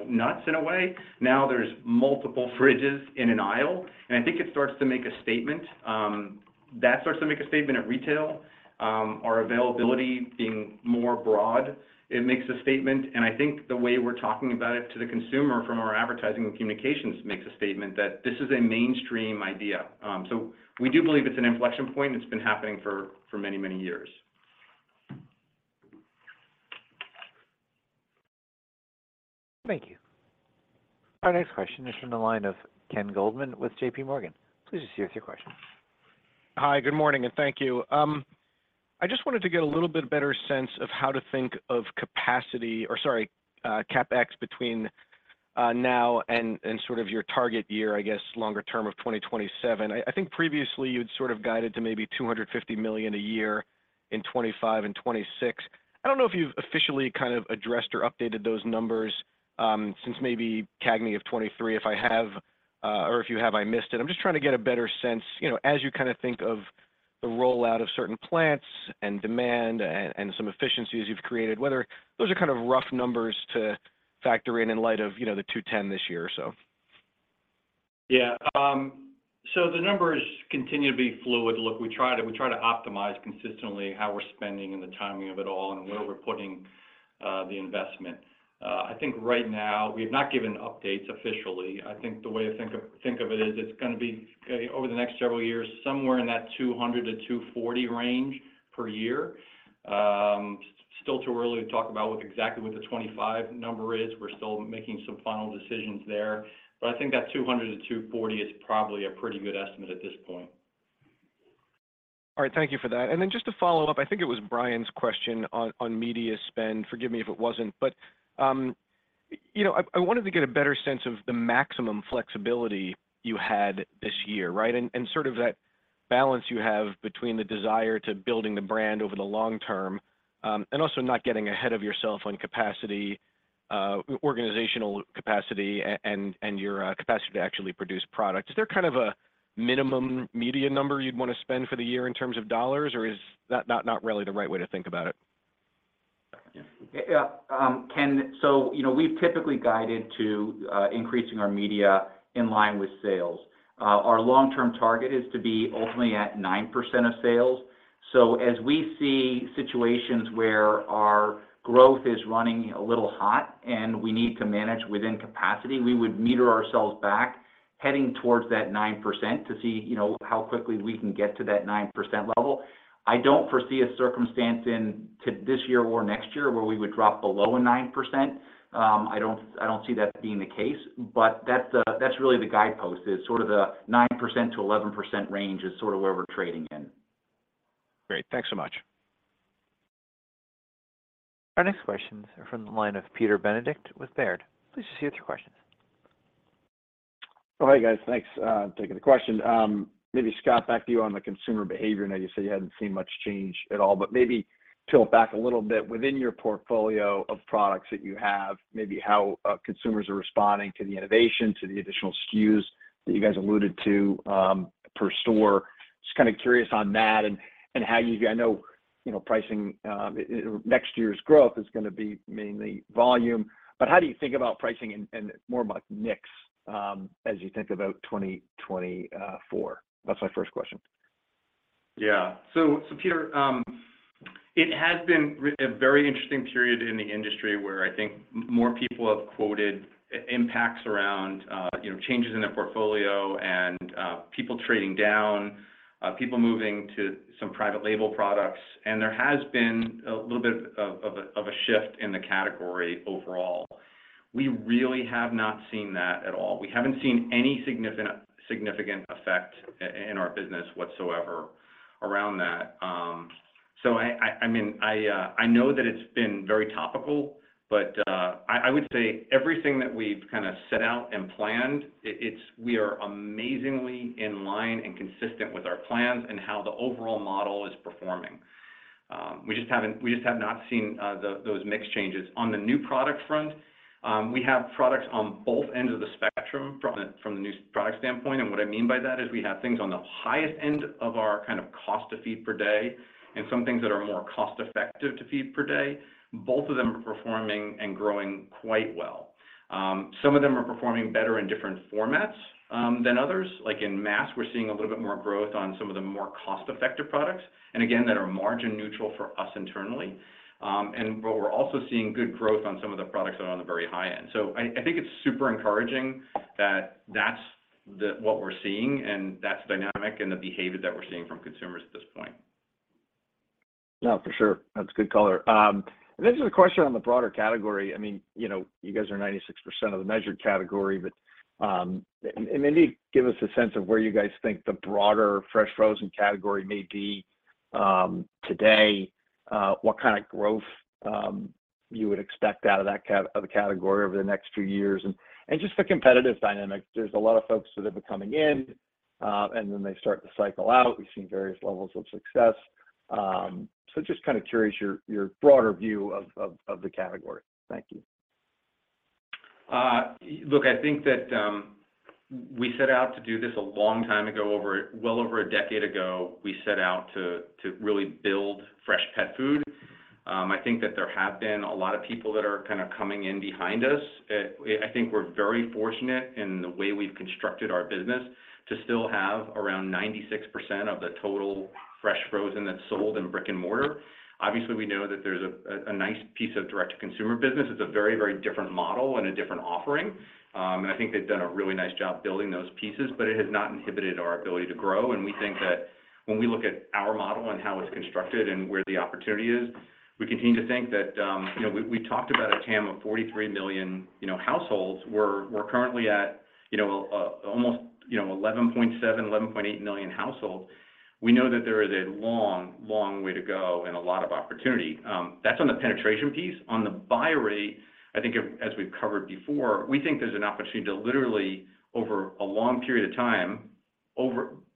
nuts in a way, now there's multiple fridges in an aisle. I think it starts to make a statement. That starts to make a statement at retail. Our availability being more broad, it makes a statement. I think the way we're talking about it to the consumer from our advertising and communications makes a statement that this is a mainstream idea. We do believe it's an inflection point, and it's been happening for many, many years. Thank you. Our next question is from the line of Ken Goldman with JPMorgan. Please proceed with your question. Hi. Good morning, and thank you. I just wanted to get a little bit better sense of how to think of capacity or, sorry, CapEx between now and sort of your target year, I guess, longer term of 2027. I think previously, you'd sort of guided to maybe $250 million a year in 2025 and 2026. I don't know if you've officially kind of addressed or updated those numbers since maybe CAGNY of 2023. If I have or if you have, I missed it. I'm just trying to get a better sense as you kind of think of the rollout of certain plants and demand and some efficiencies you've created, whether those are kind of rough numbers to factor in in light of the $210 million this year, so. Yeah. The numbers continue to be fluid. Look, we try to optimize consistently how we're spending and the timing of it all and where we're putting the investment. I think right now, we have not given updates officially. I think the way to think of it is it's going to be over the next several years, somewhere in that $200-$240 range per year. Still too early to talk about exactly what the 2025 number is. We're still making some final decisions there. But I think that $200-$240 is probably a pretty good estimate at this point. All right. Thank you for that. And then just to follow up, I think it was Brian's question on media spend. Forgive me if it wasn't, but I wanted to get a better sense of the maximum flexibility you had this year, right, and sort of that balance you have between the desire to build the brand over the long term and also not getting ahead of yourself on organizational capacity and your capacity to actually produce product. Is there kind of a minimum media number you'd want to spend for the year in terms of dollars, or is that not really the right way to think about it? Yeah. So we've typically guided to increasing our media in line with sales. Our long-term target is to be ultimately at 9% of sales. So as we see situations where our growth is running a little hot and we need to manage within capacity, we would meter ourselves back heading towards that 9% to see how quickly we can get to that 9% level. I don't foresee a circumstance this year or next year where we would drop below a 9%. I don't see that being the case. But that's really the guidepost, is sort of the 9%-11% range is sort of where we're trading in. Great. Thanks so much. Our next questions are from the line of Peter Benedict with Baird. Please proceed with your questions. Oh, hey, guys. Thanks for taking the question. Maybe, Scott, back to you on the consumer behavior. Now, you said you hadn't seen much change at all, but maybe tilt back a little bit. Within your portfolio of products that you have, maybe how consumers are responding to the innovation, to the additional SKUs that you guys alluded to per store. Just kind of curious on that and how you, I know, pricing next year's growth is going to be mainly volume, but how do you think about pricing and more about mix as you think about 2024? That's my first question. Yeah. So, Peter, it has been a very interesting period in the industry where I think more people have quoted impacts around changes in their portfolio and people trading down, people moving to some private label products. There has been a little bit of a shift in the category overall. We really have not seen that at all. We haven't seen any significant effect in our business whatsoever around that. So, I mean, I know that it's been very topical, but I would say everything that we've kind of set out and planned, we are amazingly in line and consistent with our plans and how the overall model is performing. We just have not seen those mixed changes. On the new product front, we have products on both ends of the spectrum from the new product standpoint. What I mean by that is we have things on the highest end of our kind of cost to feed per day and some things that are more cost-effective to feed per day. Both of them are performing and growing quite well. Some of them are performing better in different formats than others. In mass, we're seeing a little bit more growth on some of the more cost-effective products, and again, that are margin neutral for us internally. And but we're also seeing good growth on some of the products that are on the very high end. I think it's super encouraging that that's what we're seeing, and that's dynamic and the behavior that we're seeing from consumers at this point. No, for sure. That's good color. And this is a question on the broader category. I mean, you guys are 96% of the measured category, but maybe give us a sense of where you guys think the broader fresh frozen category may be today, what kind of growth you would expect out of that category over the next few years. And just the competitive dynamic, there's a lot of folks that have been coming in, and then they start to cycle out. We've seen various levels of success. So just kind of curious your broader view of the category. Thank you. Look, I think that we set out to do this a long time ago, well over a decade ago. We set out to really build fresh pet food. I think that there have been a lot of people that are kind of coming in behind us. I think we're very fortunate in the way we've constructed our business to still have around 96% of the total Fresh-Frozen that's sold in brick and mortar. Obviously, we know that there's a nice piece of direct-to-consumer business. It's a very, very different model and a different offering. And I think they've done a really nice job building those pieces, but it has not inhibited our ability to grow. And we think that when we look at our model and how it's constructed and where the opportunity is, we continue to think that we've talked about a TAM of 43 million households. We're currently at almost 11.7-11.8 million households. We know that there is a long, long way to go and a lot of opportunity. That's on the penetration piece. On the buy rate, I think as we've covered before, we think there's an opportunity to literally, over a long period of time,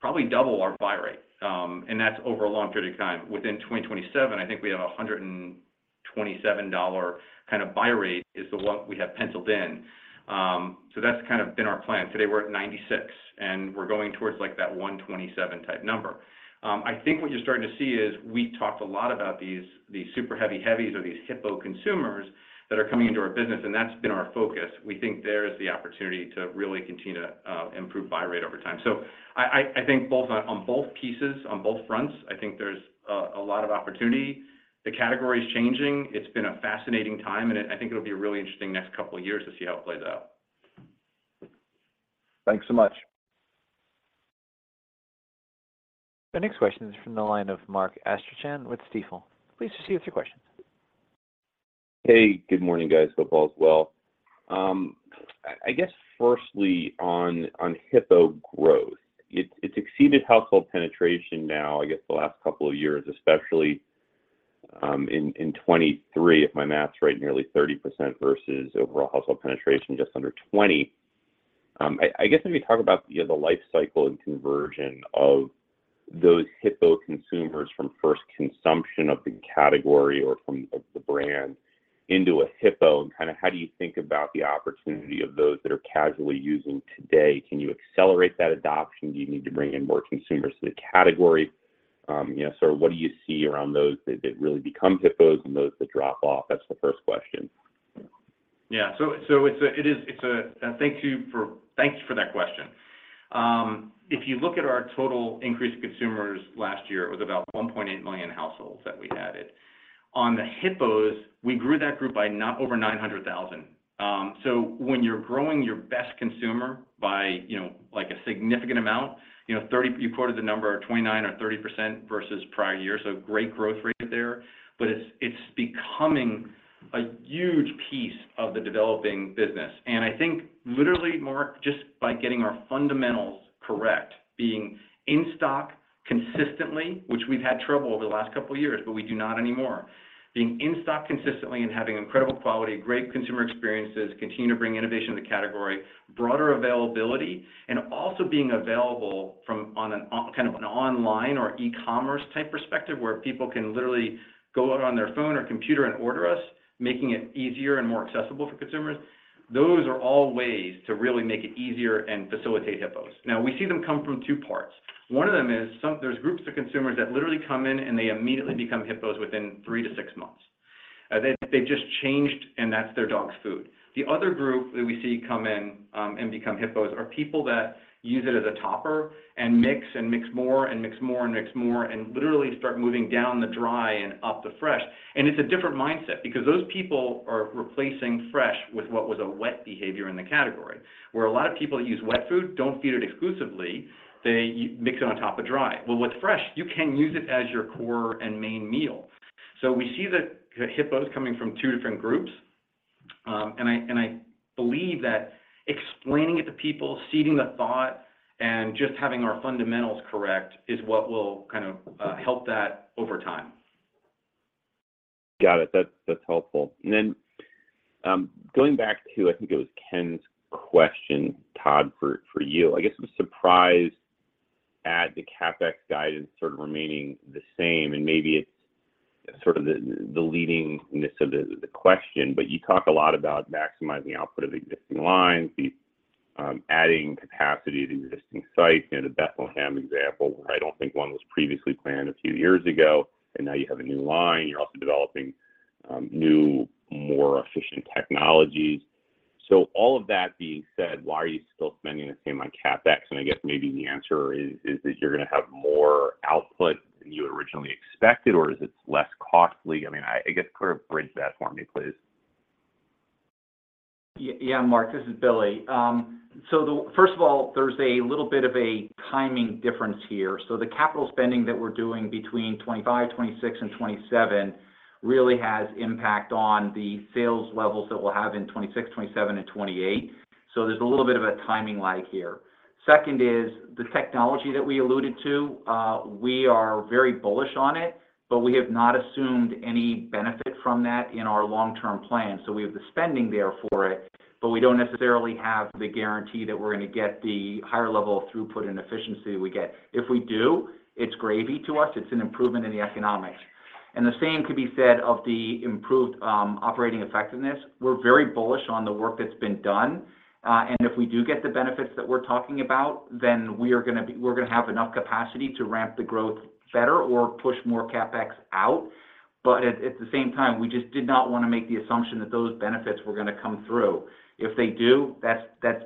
probably double our buy rate. And that's over a long period of time. Within 2027, I think we have a $127 kind of buy rate is the one we have penciled in. So that's kind of been our plan. Today, we're at 96, and we're going towards that 127-type number. I think what you're starting to see is we've talked a lot about these super heavy heavies or these HIPPO consumers that are coming into our business, and that's been our focus. We think there is the opportunity to really continue to improve buy rate over time. I think on both pieces, on both fronts, I think there's a lot of opportunity. The category is changing. It's been a fascinating time, and I think it'll be a really interesting next couple of years to see how it plays out. Thanks so much. The next question is from the line of Mark Astrachan with Stifel. Please proceed with your questions. Hey. Good morning, guys. Hope all is well. I guess, firstly, on HIPPO growth, it's exceeded household penetration now, I guess, the last couple of years, especially in 2023, if my math's right, nearly 30% versus overall household penetration just under 20%. I guess maybe talk about the lifecycle and conversion of those HIPPO consumers from first consumption of the category or of the brand into a HIPPO, and kind of how do you think about the opportunity of those that are casually using today? Can you accelerate that adoption? Do you need to bring in more consumers to the category? So what do you see around those that really become HIPPOs and those that drop off? That's the first question. Yeah. So it's a thank you for that question. If you look at our total increase of consumers last year, it was about 1.8 million households that we added. On the HIPPOs, we grew that group by over 900,000. So when you're growing your best consumer by a significant amount, you quoted the number 29% or 30% versus prior year, so great growth rate there. But it's becoming a huge piece of the developing business. I think, literally, Mark, just by getting our fundamentals correct, being in stock consistently, which we've had trouble over the last couple of years, but we do not anymore, being in stock consistently and having incredible quality, great consumer experiences, continue to bring innovation to the category, broader availability, and also being available from kind of an online or e-commerce-type perspective where people can literally go on their phone or computer and order us, making it easier and more accessible for consumers, those are all ways to really make it easier and facilitate HIPPOs. Now, we see them come from two parts. One of them is there's groups of consumers that literally come in, and they immediately become HIPPOs within 3-6 months. They've just changed, and that's their dog's food. The other group that we see come in and become HIPPOs are people that use it as a topper and mix and mix more and mix more and mix more and literally start moving down the dry and up the fresh. It's a different mindset because those people are replacing fresh with what was a wet behavior in the category, where a lot of people that use wet food don't feed it exclusively. They mix it on top of dry. Well, with fresh, you can use it as your core and main meal. We see the HIPPOs coming from two different groups. I believe that explaining it to people, seeding the thought, and just having our fundamentals correct is what will kind of help that over time. Got it. That's helpful. And then going back to, I think it was Ken's question, Todd, for you, I guess I'm surprised at the CapEx guidance sort of remaining the same. And maybe it's sort of the leadingness of the question, but you talk a lot about maximizing output of existing lines, adding capacity to existing sites, the Bethlehem example, where I don't think one was previously planned a few years ago, and now you have a new line. You're also developing new, more efficient technologies. So all of that being said, why are you still spending the same on CapEx? And I guess maybe the answer is that you're going to have more output than you originally expected, or is it less costly? I mean, I guess, could you bridge that for me, please? Yeah, Mark. This is Billy. So first of all, there's a little bit of a timing difference here. So the capital spending that we're doing between 2025, 2026, and 2027 really has impact on the sales levels that we'll have in 2026, 2027, and 2028. So there's a little bit of a timing lag here. Second is the technology that we alluded to. We are very bullish on it, but we have not assumed any benefit from that in our long-term plan. So we have the spending there for it, but we don't necessarily have the guarantee that we're going to get the higher level of throughput and efficiency we get. If we do, it's gravy to us. It's an improvement in the economics. And the same could be said of the improved operating effectiveness. We're very bullish on the work that's been done. If we do get the benefits that we're talking about, then we are going to have enough capacity to ramp the growth better or push more CapEx out. At the same time, we just did not want to make the assumption that those benefits were going to come through. If they do, that's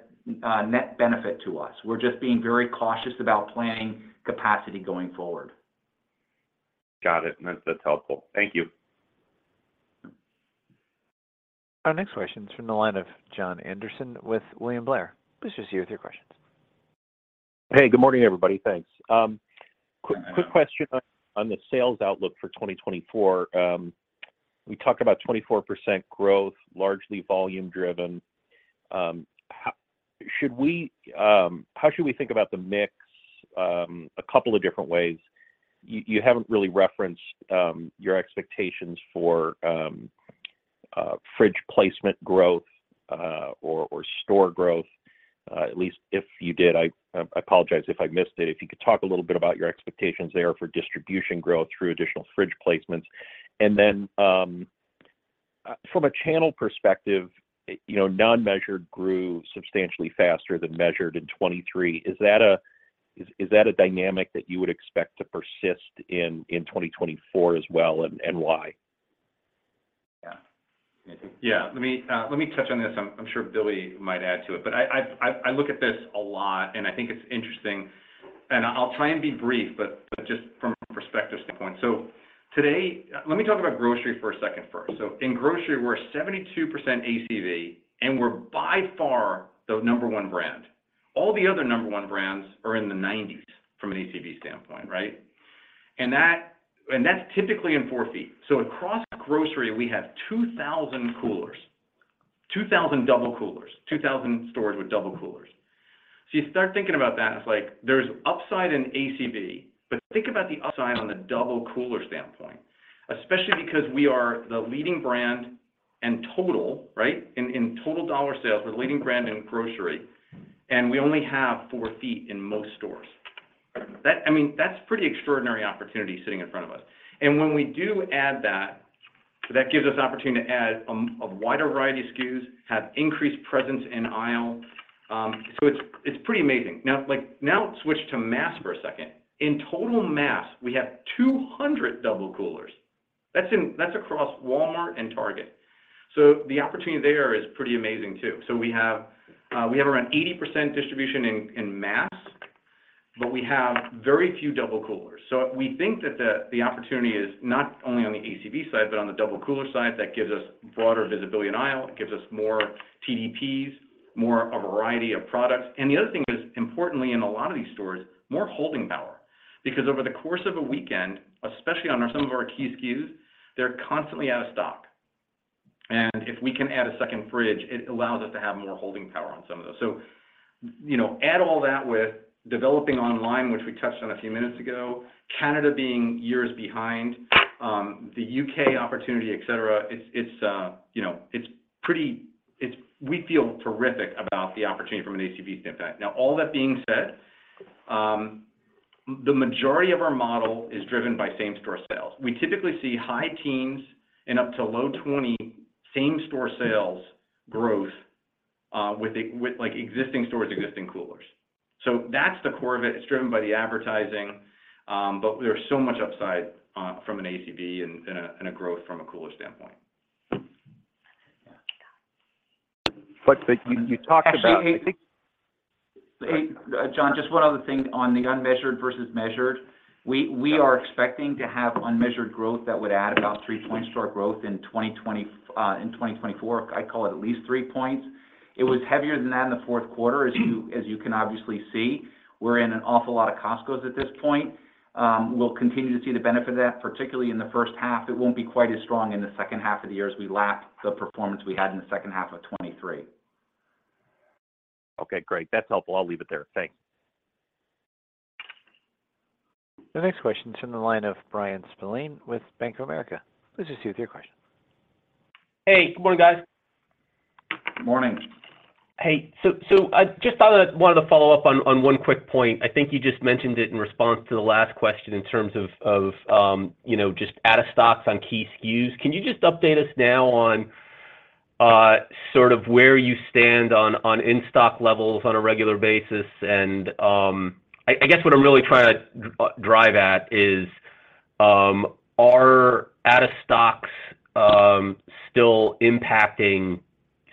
net benefit to us. We're just being very cautious about planning capacity going forward. Got it. That's helpful. Thank you. Our next question is from the line of Jon Andersen with William Blair. Please proceed with your questions. Hey. Good morning, everybody. Thanks. Quick question on the sales outlook for 2024. We talked about 24% growth, largely volume-driven. How should we think about the mix a couple of different ways? You haven't really referenced your expectations for fridge placement growth or store growth, at least if you did. I apologize if I missed it. If you could talk a little bit about your expectations there for distribution growth through additional fridge placements. And then from a channel perspective, non-measured grew substantially faster than measured in 2023. Is that a dynamic that you would expect to persist in 2024 as well, and why? Yeah. Yeah. Let me touch on this. I'm sure Billy might add to it. But I look at this a lot, and I think it's interesting. And I'll try and be brief, but just from a perspective standpoint. So today, let me talk about grocery for a second first. So in grocery, we're 72% ACV, and we're by far the number one brand. All the other number one brands are in the 90s from an ACV standpoint, right? And that's typically in 4 feet. So across grocery, we have 2,000 coolers, 2,000 double coolers, 2,000 stores with double coolers. So you start thinking about that, and it's like there's upside in ACV, but think about the upside on the double cooler standpoint, especially because we are the leading brand in total, right? In total dollar sales, we're the leading brand in grocery, and we only have 4 feet in most stores. I mean, that's pretty extraordinary opportunity sitting in front of us. And when we do add that, that gives us opportunity to add a wider variety of SKUs, have increased presence in aisle. So it's pretty amazing. Now switch to mass for a second. In total mass, we have 200 double coolers. That's across Walmart and Target. So the opportunity there is pretty amazing too. So we have around 80% distribution in mass, but we have very few double coolers. So we think that the opportunity is not only on the ACV side, but on the double cooler side. That gives us broader visibility in aisle. It gives us more TDPs, more a variety of products. And the other thing is, importantly, in a lot of these stores, more holding power because over the course of a weekend, especially on some of our key SKUs, they're constantly out of stock. And if we can add a second fridge, it allows us to have more holding power on some of those. So add all that with developing online, which we touched on a few minutes ago, Canada being years behind, the UK opportunity, etc. It's pretty we feel terrific about the opportunity from an ACV standpoint. Now, all that being said, the majority of our model is driven by same-store sales. We typically see high teens and up to low 20 same-store sales growth with existing stores, existing coolers. So that's the core of it. It's driven by the advertising, but there's so much upside from an ACV and a growth from a cooler standpoint. Yeah. But you talked about. Actually, Jon, just one other thing on the unmeasured versus measured. We are expecting to have unmeasured growth that would add about 3-point store growth in 2024. I call it at least 3 points. It was heavier than that in the fourth quarter, as you can obviously see. We're in an awful lot of Costcos at this point. We'll continue to see the benefit of that, particularly in the first half. It won't be quite as strong in the second half of the year as we lapped the performance we had in the second half of 2023. Okay. Great. That's helpful. I'll leave it there. Thanks. The next question is from the line of Brian Spillane with Bank of America. Please proceed with your question. Hey. Good morning, guys. Morning. Hey. So I just thought I wanted to follow up on one quick point. I think you just mentioned it in response to the last question in terms of just out-of-stocks on key SKUs. Can you just update us now on sort of where you stand on in-stock levels on a regular basis? And I guess what I'm really trying to drive at is, are out-of-stocks still impacting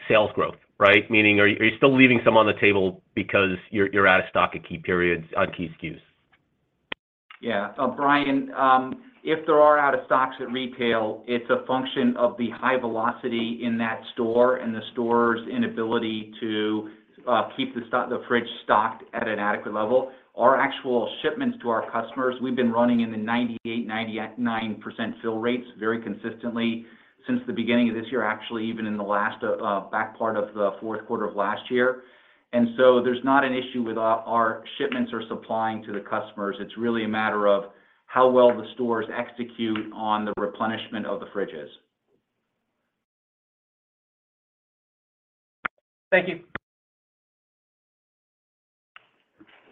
sales growth, right? Meaning, are you still leaving some on the table because you're out-of-stock at key periods on key SKUs? Yeah. Bryan, if there are out-of-stocks at retail, it's a function of the high velocity in that store and the store's inability to keep the fridge stocked at an adequate level. Our actual shipments to our customers, we've been running in the 98%-99% fill rates very consistently since the beginning of this year, actually, even in the last back part of the fourth quarter of last year. So there's not an issue with our shipments or supplying to the customers. It's really a matter of how well the stores execute on the replenishment of the fridges. Thank you.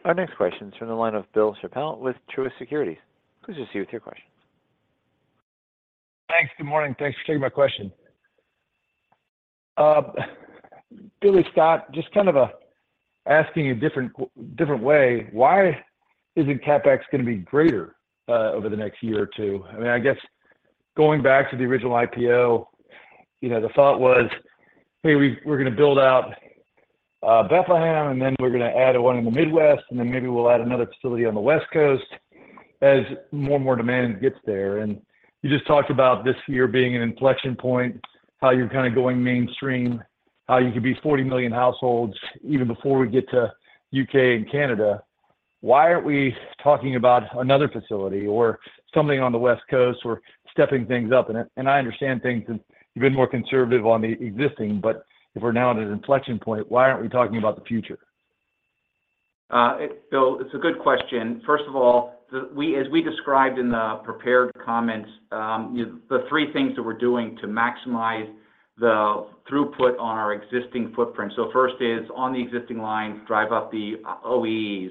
Our next question is from the line of Bill Chappell with Truist Securities. Please proceed with your question. Thanks. Good morning. Thanks for taking my question. Billy, Scott, just kind of asking a different way, why isn't CapEx going to be greater over the next year or two? I mean, I guess going back to the original IPO, the thought was, "Hey, we're going to build out Bethlehem, and then we're going to add one in the Midwest, and then maybe we'll add another facility on the West Coast as more and more demand gets there." And you just talked about this year being an inflection point, how you're kind of going mainstream, how you could be 40 million households even before we get to UK and Canada. Why aren't we talking about another facility or something on the West Coast or stepping things up? And I understand things, and you've been more conservative on the existing. But if we're now at an inflection point, why aren't we talking about the future? Bill, it's a good question. First of all, as we described in the prepared comments, the three things that we're doing to maximize the throughput on our existing footprint, so first is on the existing lines, drive up the OEEs.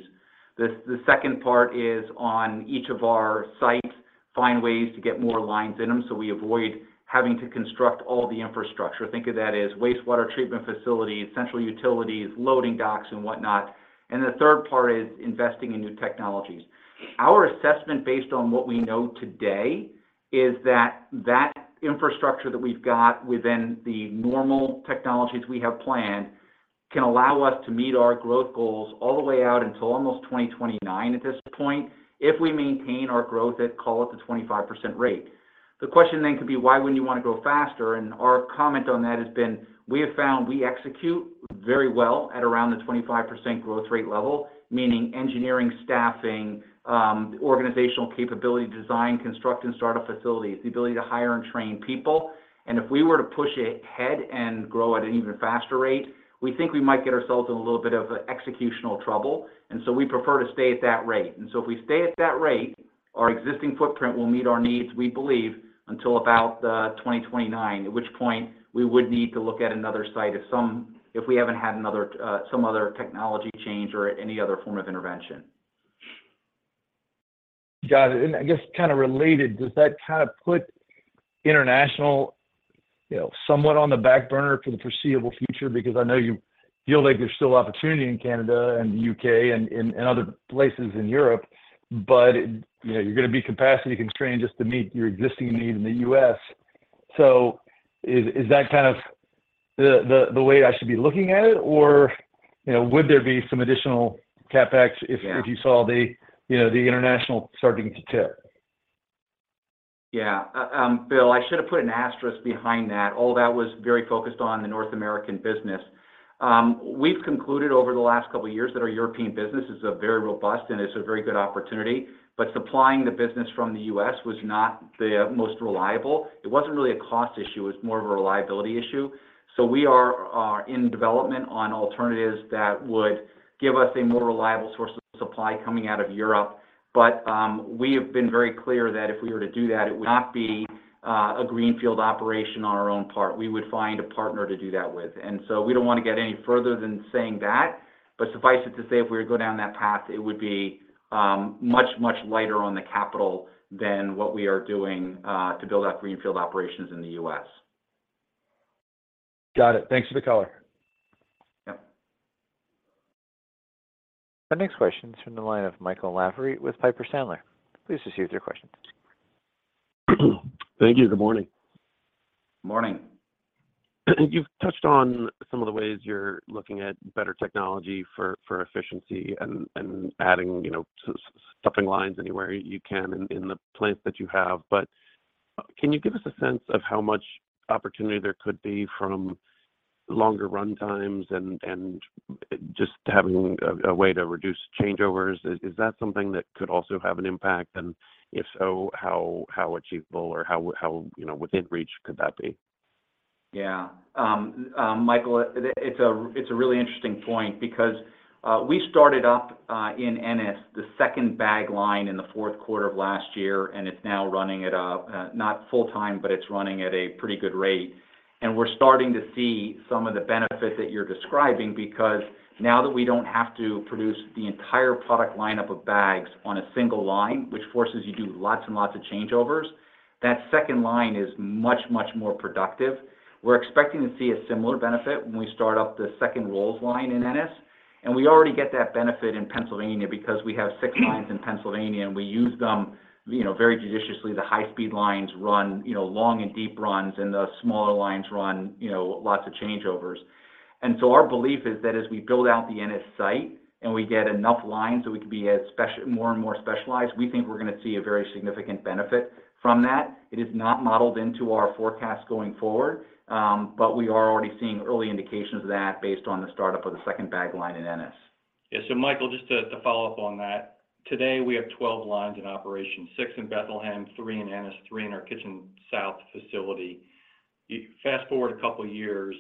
The second part is on each of our sites, find ways to get more lines in them so we avoid having to construct all the infrastructure. Think of that as wastewater treatment facilities, central utilities, loading docks, and whatnot. And the third part is investing in new technologies. Our assessment based on what we know today is that that infrastructure that we've got within the normal technologies we have planned can allow us to meet our growth goals all the way out until almost 2029 at this point if we maintain our growth at, call it, the 25% rate. The question then could be, why wouldn't you want to grow faster? Our comment on that has been, "We have found we execute very well at around the 25% growth rate level," meaning engineering, staffing, organizational capability, design, construct, and startup facilities, the ability to hire and train people. If we were to push ahead and grow at an even faster rate, we think we might get ourselves in a little bit of executional trouble. So we prefer to stay at that rate. So if we stay at that rate, our existing footprint will meet our needs, we believe, until about 2029, at which point we would need to look at another site if we haven't had some other technology change or any other form of intervention. Got it. And I guess kind of related, does that kind of put international somewhat on the back burner for the foreseeable future? Because I know you feel like there's still opportunity in Canada and the U.K. and other places in Europe, but you're going to be capacity constrained just to meet your existing need in the U.S. So is that kind of the way I should be looking at it, or would there be some additional CapEx if you saw the international starting to tip? Yeah. Bill, I should have put an asterisk behind that. All that was very focused on the North American business. We've concluded over the last couple of years that our European business is very robust, and it's a very good opportunity, but supplying the business from the U.S. was not the most reliable. It wasn't really a cost issue. It was more of a reliability issue. So we are in development on alternatives that would give us a more reliable source of supply coming out of Europe. But we have been very clear that if we were to do that, it would not be a greenfield operation on our own part. We would find a partner to do that with. And so we don't want to get any further than saying that. But suffice it to say, if we were to go down that path, it would be much, much lighter on the capital than what we are doing to build up greenfield operations in the US. Got it. Thanks for the color. Yep. Our next question is from the line of Michael Lavery with Piper Sandler. Please proceed with your questions. Thank you. Good morning. Morning. You've touched on some of the ways you're looking at better technology for efficiency and adding stuffing lines anywhere you can in the plants that you have. But can you give us a sense of how much opportunity there could be from longer runtimes and just having a way to reduce changeovers? Is that something that could also have an impact? And if so, how achievable or how within reach could that be? Yeah. Michael, it's a really interesting point because we started up in Ennis the second bag line in the fourth quarter of last year, and it's now running at a not full-time, but it's running at a pretty good rate. And we're starting to see some of the benefit that you're describing because now that we don't have to produce the entire product lineup of bags on a single line, which forces you to do lots and lots of changeovers. That second line is much, much more productive. We're expecting to see a similar benefit when we start up the second Rolls line in Ennis. And we already get that benefit in Pennsylvania because we have six lines in Pennsylvania, and we use them very judiciously. The high-speed lines run long and deep runs, and the smaller lines run lots of changeovers. So our belief is that as we build out the Ennis site and we get enough lines so we can be more and more specialized, we think we're going to see a very significant benefit from that. It is not modeled into our forecast going forward, but we are already seeing early indications of that based on the startup of the second bag line in Ennis. Yeah. So Michael, just to follow up on that, today, we have 12 lines in operation, 6 in Bethlehem, 3 in Ennis, 3 in our Kitchen South facility. Fast forward a couple of years,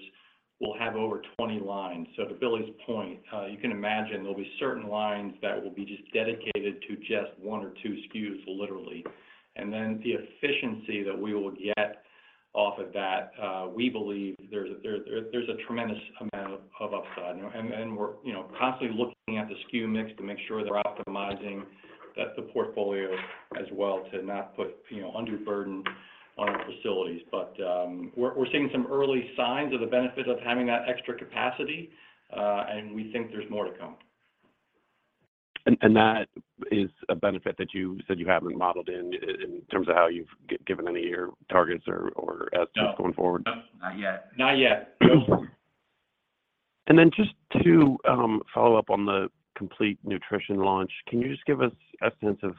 we'll have over 20 lines. So to Billy's point, you can imagine there'll be certain lines that will be just dedicated to just one or two SKUs, literally. And then the efficiency that we will get off of that, we believe there's a tremendous amount of upside. And then we're constantly looking at the SKU mix to make sure they're optimizing the portfolio as well to not put undue burden on our facilities. But we're seeing some early signs of the benefit of having that extra capacity, and we think there's more to come. That is a benefit that you said you haven't modeled in terms of how you've given any of your targets or as it's going forward? Nope. Not yet. Not yet. No. Then just to follow up on the Complete Nutrition launch, can you just give us a sense of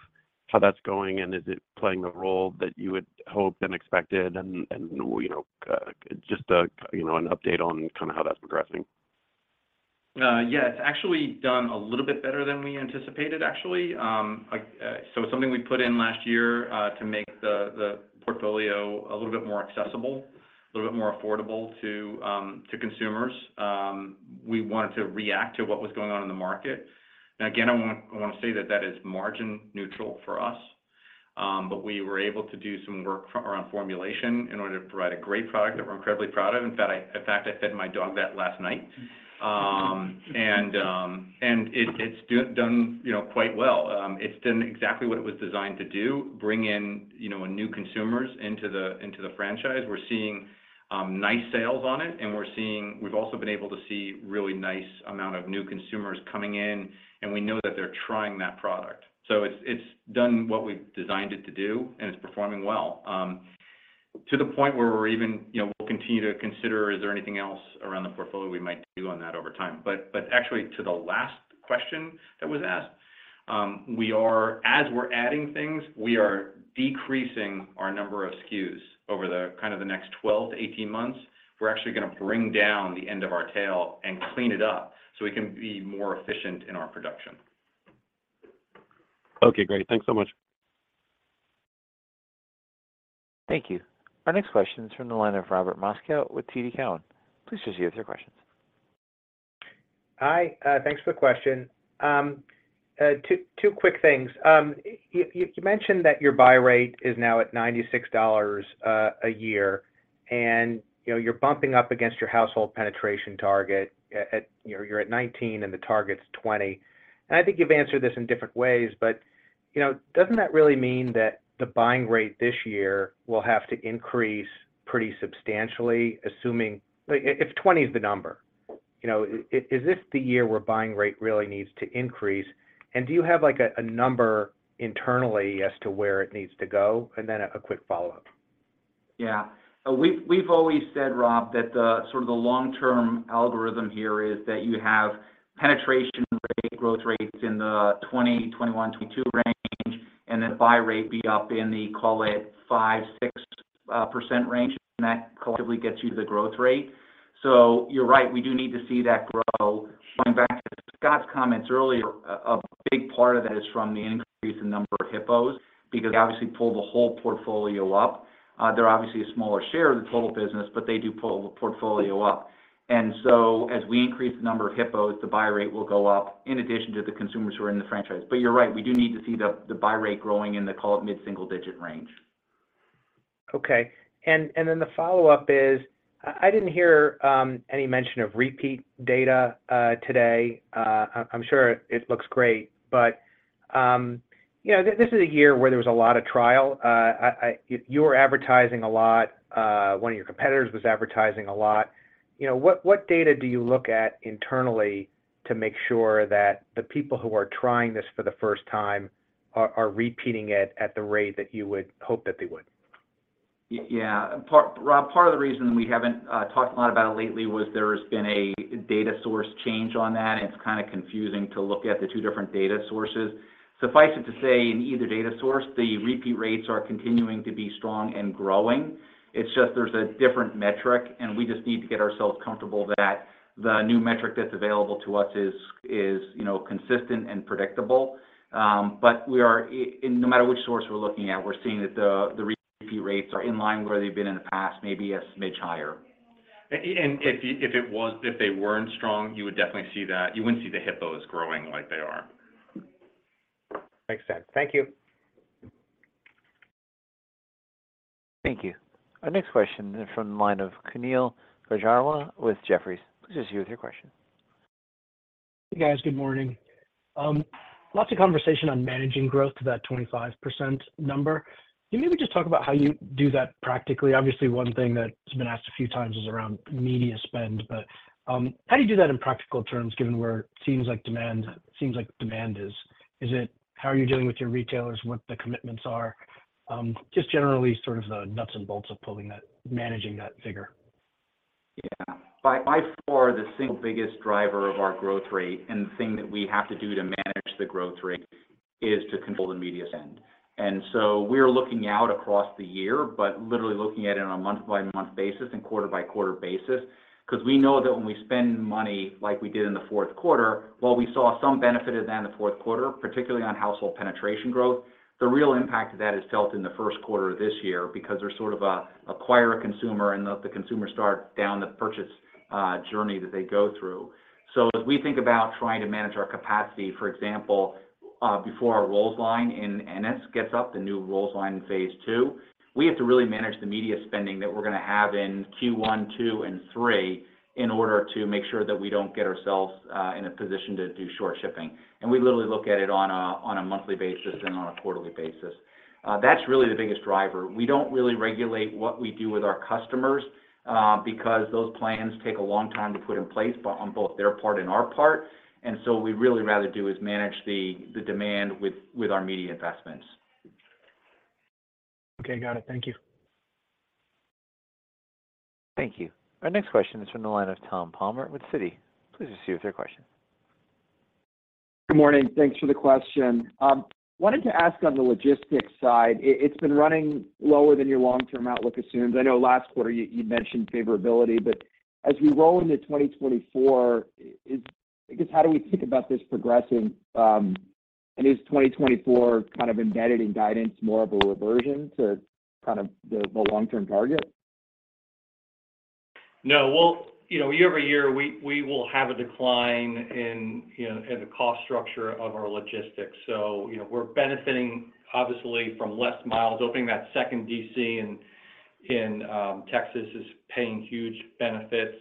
how that's going, and is it playing the role that you would hope and expected? And just an update on kind of how that's progressing. Yeah. It's actually done a little bit better than we anticipated, actually. So it's something we put in last year to make the portfolio a little bit more accessible, a little bit more affordable to consumers. We wanted to react to what was going on in the market. And again, I want to say that that is margin neutral for us. But we were able to do some work around formulation in order to provide a great product that we're incredibly proud of. In fact, I fed my dog that last night. And it's done quite well. It's done exactly what it was designed to do, bring in new consumers into the franchise. We're seeing nice sales on it, and we've also been able to see a really nice amount of new consumers coming in, and we know that they're trying that product. So it's done what we've designed it to do, and it's performing well to the point where we'll continue to consider, "Is there anything else around the portfolio we might do on that over time?" But actually, to the last question that was asked, as we're adding things, we are decreasing our number of SKUs over kind of the next 12-18 months. We're actually going to bring down the end of our tail and clean it up so we can be more efficient in our production. Okay. Great. Thanks so much. Thank you. Our next question is from the line of Robert Moskow with TD Cowen. Please proceed with your questions. Hi. Thanks for the question. Two quick things. You mentioned that your buy rate is now at $96 a year, and you're bumping up against your household penetration target. You're at 19, and the target's 20. And I think you've answered this in different ways, but doesn't that really mean that the buying rate this year will have to increase pretty substantially if 20 is the number? Is this the year where buying rate really needs to increase? And do you have a number internally as to where it needs to go? And then a quick follow-up. Yeah. We've always said, Rob, that sort of the long-term algorithm here is that you have penetration rate, growth rates in the 20, 21, 22 range, and then buy rate be up in the, call it, 5, 6% range, and that collectively gets you the growth rate. So you're right. We do need to see that grow. Going back to Scott's comments earlier, a big part of that is from the increase in number of HIPPOs because they obviously pull the whole portfolio up. They're obviously a smaller share of the total business, but they do pull the portfolio up. And so as we increase the number of HIPPOs, the buy rate will go up in addition to the consumers who are in the franchise. But you're right. We do need to see the buy rate growing in the, call it, mid-single-digit range. Okay. And then the follow-up is, I didn't hear any mention of repeat data today. I'm sure it looks great, but this is a year where there was a lot of trial. You were advertising a lot. One of your competitors was advertising a lot. What data do you look at internally to make sure that the people who are trying this for the first time are repeating it at the rate that you would hope that they would? Yeah. Rob, part of the reason we haven't talked a lot about it lately was there has been a data source change on that, and it's kind of confusing to look at the two different data sources. Suffice it to say, in either data source, the repeat rates are continuing to be strong and growing. It's just there's a different metric, and we just need to get ourselves comfortable that the new metric that's available to us is consistent and predictable. But no matter which source we're looking at, we're seeing that the repeat rates are in line where they've been in the past, maybe a smidge higher. If they weren't strong, you would definitely see that. You wouldn't see the HIPPOs growing like they are. Makes sense. Thank you. Thank you. Our next question is from the line of Kaumil Gajrawala with Jefferies. Please proceed with your question. Hey, guys. Good morning. Lots of conversation on managing growth to that 25% number. Can you maybe just talk about how you do that practically? Obviously, one thing that's been asked a few times is around media spend, but how do you do that in practical terms given where it seems like demand is? How are you dealing with your retailers, what the commitments are? Just generally, sort of the nuts and bolts of managing that figure. Yeah. By far, the single biggest driver of our growth rate and the thing that we have to do to manage the growth rate is to control the media spend. And so we are looking out across the year, but literally looking at it on a month-by-month basis and quarter-by-quarter basis because we know that when we spend money like we did in the fourth quarter, while we saw some benefit of that in the fourth quarter, particularly on household penetration growth, the real impact of that is felt in the first quarter of this year because they're sort of acquire a consumer, and the consumer starts down the purchase journey that they go through. So as we think about trying to manage our capacity, for example, before our Rolls line in Ennis gets up, the new Rolls line in phase two, we have to really manage the media spending that we're going to have in Q1, Q2, and Q3 in order to make sure that we don't get ourselves in a position to do short shipping. And we literally look at it on a monthly basis and on a quarterly basis. That's really the biggest driver. We don't really regulate what we do with our customers because those plans take a long time to put in place on both their part and our part. And so what we'd really rather do is manage the demand with our media investments. Okay. Got it. Thank you. Thank you. Our next question is from the line of Tom Palmer with Citi. Please proceed with your question. Good morning. Thanks for the question. Wanted to ask on the logistics side. It's been running lower than your long-term outlook assumes. I know last quarter, you'd mentioned favorability, but as we roll into 2024, I guess, how do we think about this progressing? And is 2024 kind of embedded in guidance more of a reversion to kind of the long-term target? No. Well, year-over-year, we will have a decline in the cost structure of our logistics. So we're benefiting, obviously, from less miles. Opening that second DC in Texas is paying huge benefits.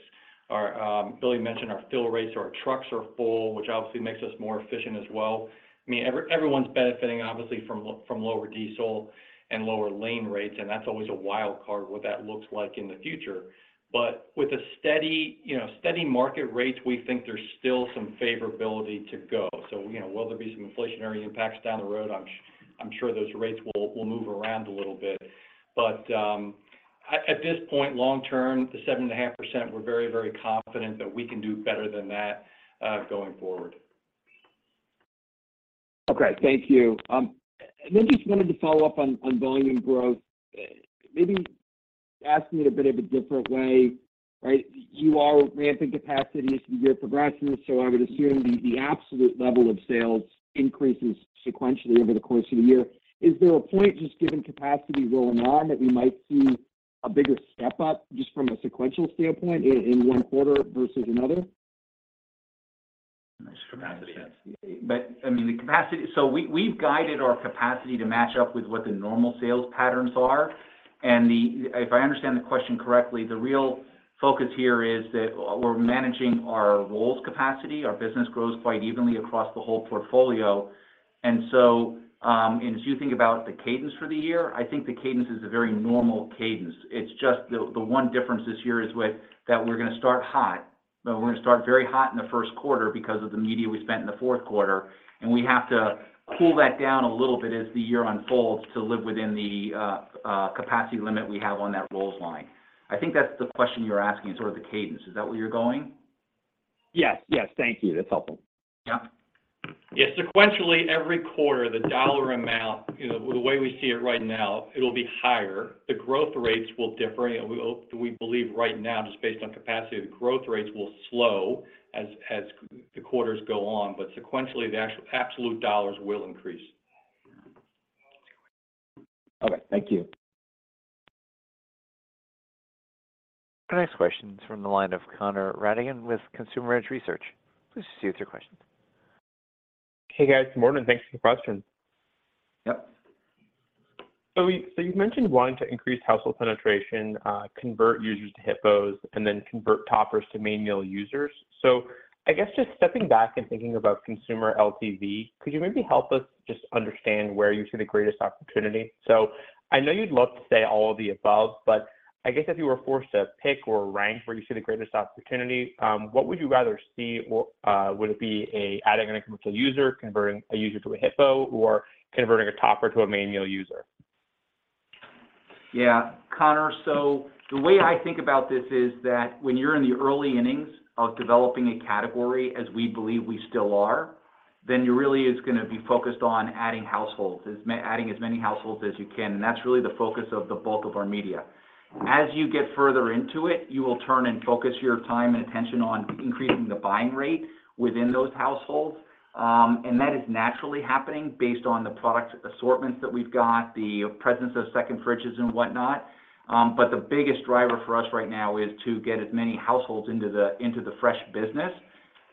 Billy mentioned our fill rates. Our trucks are full, which obviously makes us more efficient as well. I mean, everyone's benefiting, obviously, from lower diesel and lower lane rates, and that's always a wild card what that looks like in the future. But with the steady market rates, we think there's still some favorability to go. So will there be some inflationary impacts down the road? I'm sure those rates will move around a little bit. But at this point, long-term, the 7.5%, we're very, very confident that we can do better than that going forward. Okay. Thank you. And then just wanted to follow up on volume growth, maybe asking it a bit of a different way, right? You are ramping capacity as the year progresses, so I would assume the absolute level of sales increases sequentially over the course of the year. Is there a point, just given capacity rolling on, that we might see a bigger step up just from a sequential standpoint in one quarter versus another? Capacity. But I mean, so we've guided our capacity to match up with what the normal sales patterns are. And if I understand the question correctly, the real focus here is that we're managing our roll capacity. Our business grows quite evenly across the whole portfolio. And so as you think about the cadence for the year, I think the cadence is a very normal cadence. The one difference this year is that we're going to start hot. We're going to start very hot in the first quarter because of the media we spent in the fourth quarter. We have to cool that down a little bit as the year unfolds to live within the capacity limit we have on that Rolls line. I think that's the question you're asking, sort of the cadence. Is that where you're going? Yes. Yes. Thank you. That's helpful. Yep. Yes. Sequentially, every quarter, the dollar amount, the way we see it right now, it'll be higher. The growth rates will differ. We believe right now, just based on capacity, the growth rates will slow as the quarters go on. But sequentially, the absolute dollars will increase. Okay. Thank you. Our next question is from the line of Connor Rattigan with Consumer Edge Research. Please proceed with your questions. Hey, guys. Good morning. Thanks for the question. Yep. So you've mentioned wanting to increase household penetration, convert users to HIPPOs, and then convert toppers to main meal users. So I guess just stepping back and thinking about consumer LTV, could you maybe help us just understand where you see the greatest opportunity? So I know you'd love to say all of the above, but I guess if you were forced to pick or rank where you see the greatest opportunity, what would you rather see? Would it be adding an incremental user, converting a user to a HIPPO, or converting a topper to a main meal user? Yeah, Connor. So the way I think about this is that when you're in the early innings of developing a category, as we believe we still are, then you really are going to be focused on adding households, adding as many households as you can. And that's really the focus of the bulk of our media. As you get further into it, you will turn and focus your time and attention on increasing the buying rate within those households. And that is naturally happening based on the product assortments that we've got, the presence of second fridges and whatnot. But the biggest driver for us right now is to get as many households into the fresh business.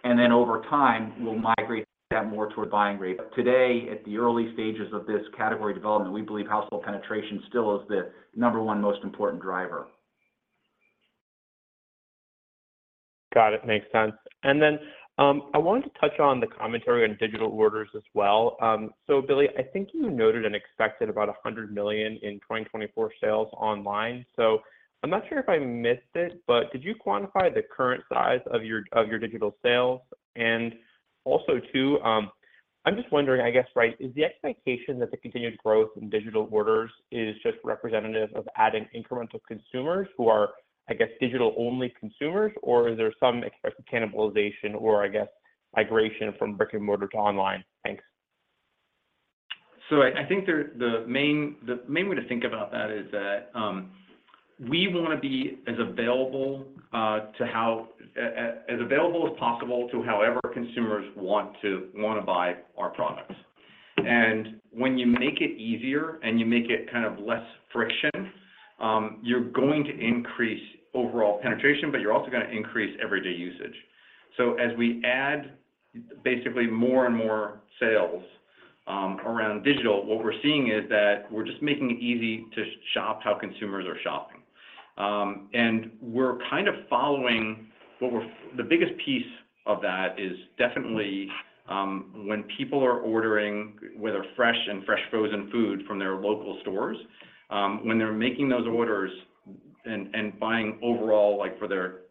And then over time, we'll migrate that more toward buying rate. But today, at the early stages of this category development, we believe household penetration still is the number one most important driver. Got it. Makes sense. And then I wanted to touch on the commentary on digital orders as well. So Billy, I think you noted and expected about $100 million in 2024 sales online. So I'm not sure if I missed it, but did you quantify the current size of your digital sales? And also, too, I'm just wondering, I guess, right, is the expectation that the continued growth in digital orders is just representative of adding incremental consumers who are, I guess, digital-only consumers, or is there some expected cannibalization or, I guess, migration from brick-and-mortar to online? Thanks. So I think the main way to think about that is that we want to be as available as possible to however consumers want to buy our products. When you make it easier and you make it kind of less friction, you're going to increase overall penetration, but you're also going to increase everyday usage. As we add basically more and more sales around digital, what we're seeing is that we're just making it easy to shop how consumers are shopping. We're kind of following what we're the biggest piece of that is definitely when people are ordering, whether fresh and fresh-frozen food from their local stores, when they're making those orders and buying overall for their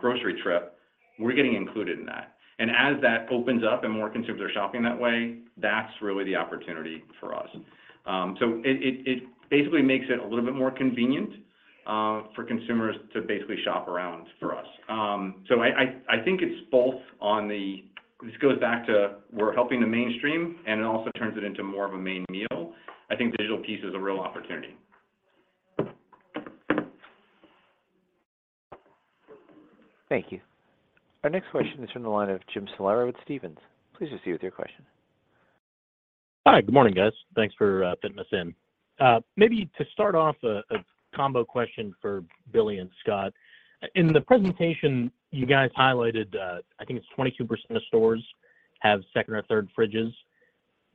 grocery trip, we're getting included in that. As that opens up and more consumers are shopping that way, that's really the opportunity for us. So it basically makes it a little bit more convenient for consumers to basically shop around for us. So I think it's both. This goes back to we're helping the mainstream, and it also turns it into more of a main meal. I think digital piece is a real opportunity. Thank you. Our next question is from the line of Jim Salera with Stephens. Please proceed with your question. Hi. Good morning, guys. Thanks for putting us in. Maybe to start off, a combo question for Billy and Scott. In the presentation, you guys highlighted, I think it's 22% of stores have second or third fridges.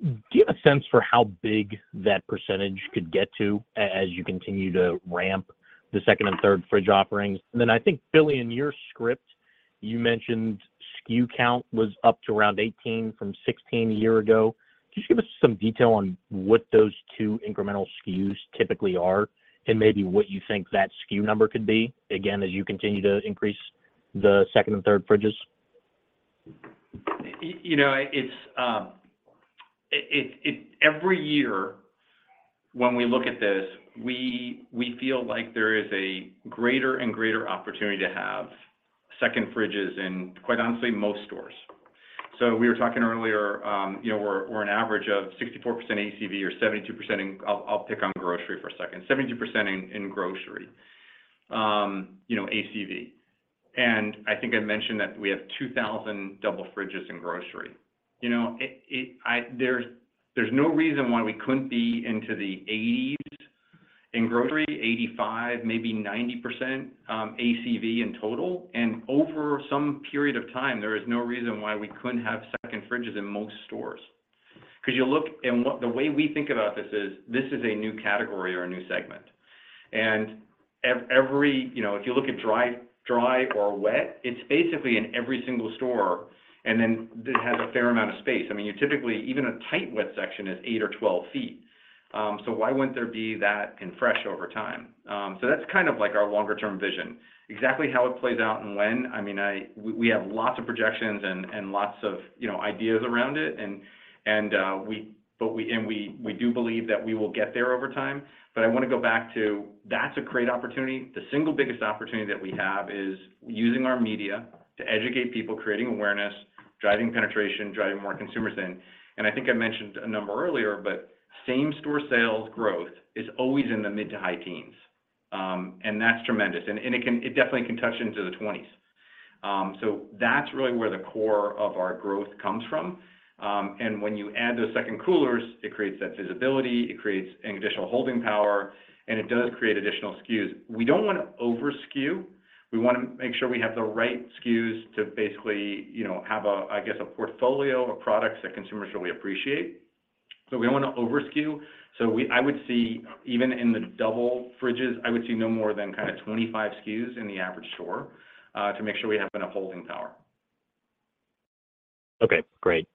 Do you have a sense for how big that percentage could get to as you continue to ramp the second and third fridge offerings? And then I think, Billy, in your script, you mentioned SKU count was up to around 18 from 16 a year ago. Could you just give us some detail on what those two incremental SKUs typically are and maybe what you think that SKU number could be, again, as you continue to increase the second and third fridges? Every year, when we look at this, we feel like there is a greater and greater opportunity to have second fridges in, quite honestly, most stores. So we were talking earlier, we're an average of 64% ACV or 72% in. I'll pick on grocery for a second, 72% in grocery ACV. And I think I mentioned that we have 2,000 double fridges in grocery. There's no reason why we couldn't be into the 80s in grocery, 85, maybe 90% ACV in total. And over some period of time, there is no reason why we couldn't have second fridges in most stores. Because you look and the way we think about this is this is a new category or a new segment. And if you look at dry or wet, it's basically in every single store, and then it has a fair amount of space. I mean, typically, even a tight wet section is 8 or 12 feet. So why wouldn't there be that in fresh over time? So that's kind of our longer-term vision. Exactly how it plays out and when, I mean, we have lots of projections and lots of ideas around it. And we do believe that we will get there over time. But I want to go back to that. That's a great opportunity. The single biggest opportunity that we have is using our media to educate people, creating awareness, driving penetration, driving more consumers in. And I think I mentioned a number earlier, but same-store sales growth is always in the mid- to high teens. And that's tremendous. And it definitely can touch into the 20s. So that's really where the core of our growth comes from. And when you add those second coolers, it creates that visibility. It creates additional holding power. It does create additional SKUs. We don't want to over-SKU. We want to make sure we have the right SKUs to basically have, I guess, a portfolio of products that consumers really appreciate. We don't want to over-SKU. I would see even in the double fridges, I would see no more than kind of 25 SKUs in the average store to make sure we have enough holding power. Okay. Great.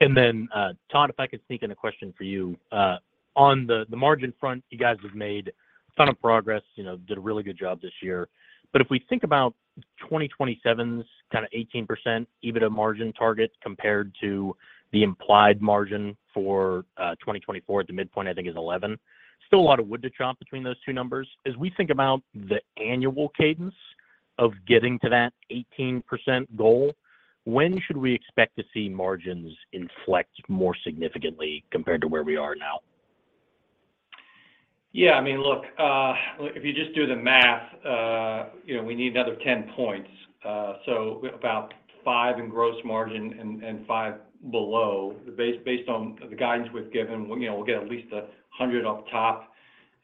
And then, Todd, if I could sneak in a question for you. On the margin front, you guys have made a ton of progress, did a really good job this year. But if we think about 2027's kind of 18% EBITDA margin target compared to the implied margin for 2024, at the midpoint, I think is 11%. Still a lot of wood to chop between those two numbers. As we think about the annual cadence of getting to that 18% goal, when should we expect to see margins inflect more significantly compared to where we are now? Yeah. I mean, look, if you just do the math, we need another 10 points. So about 5 in gross margin and 5 below. Based on the guidance we've given, we'll get at least 100 up top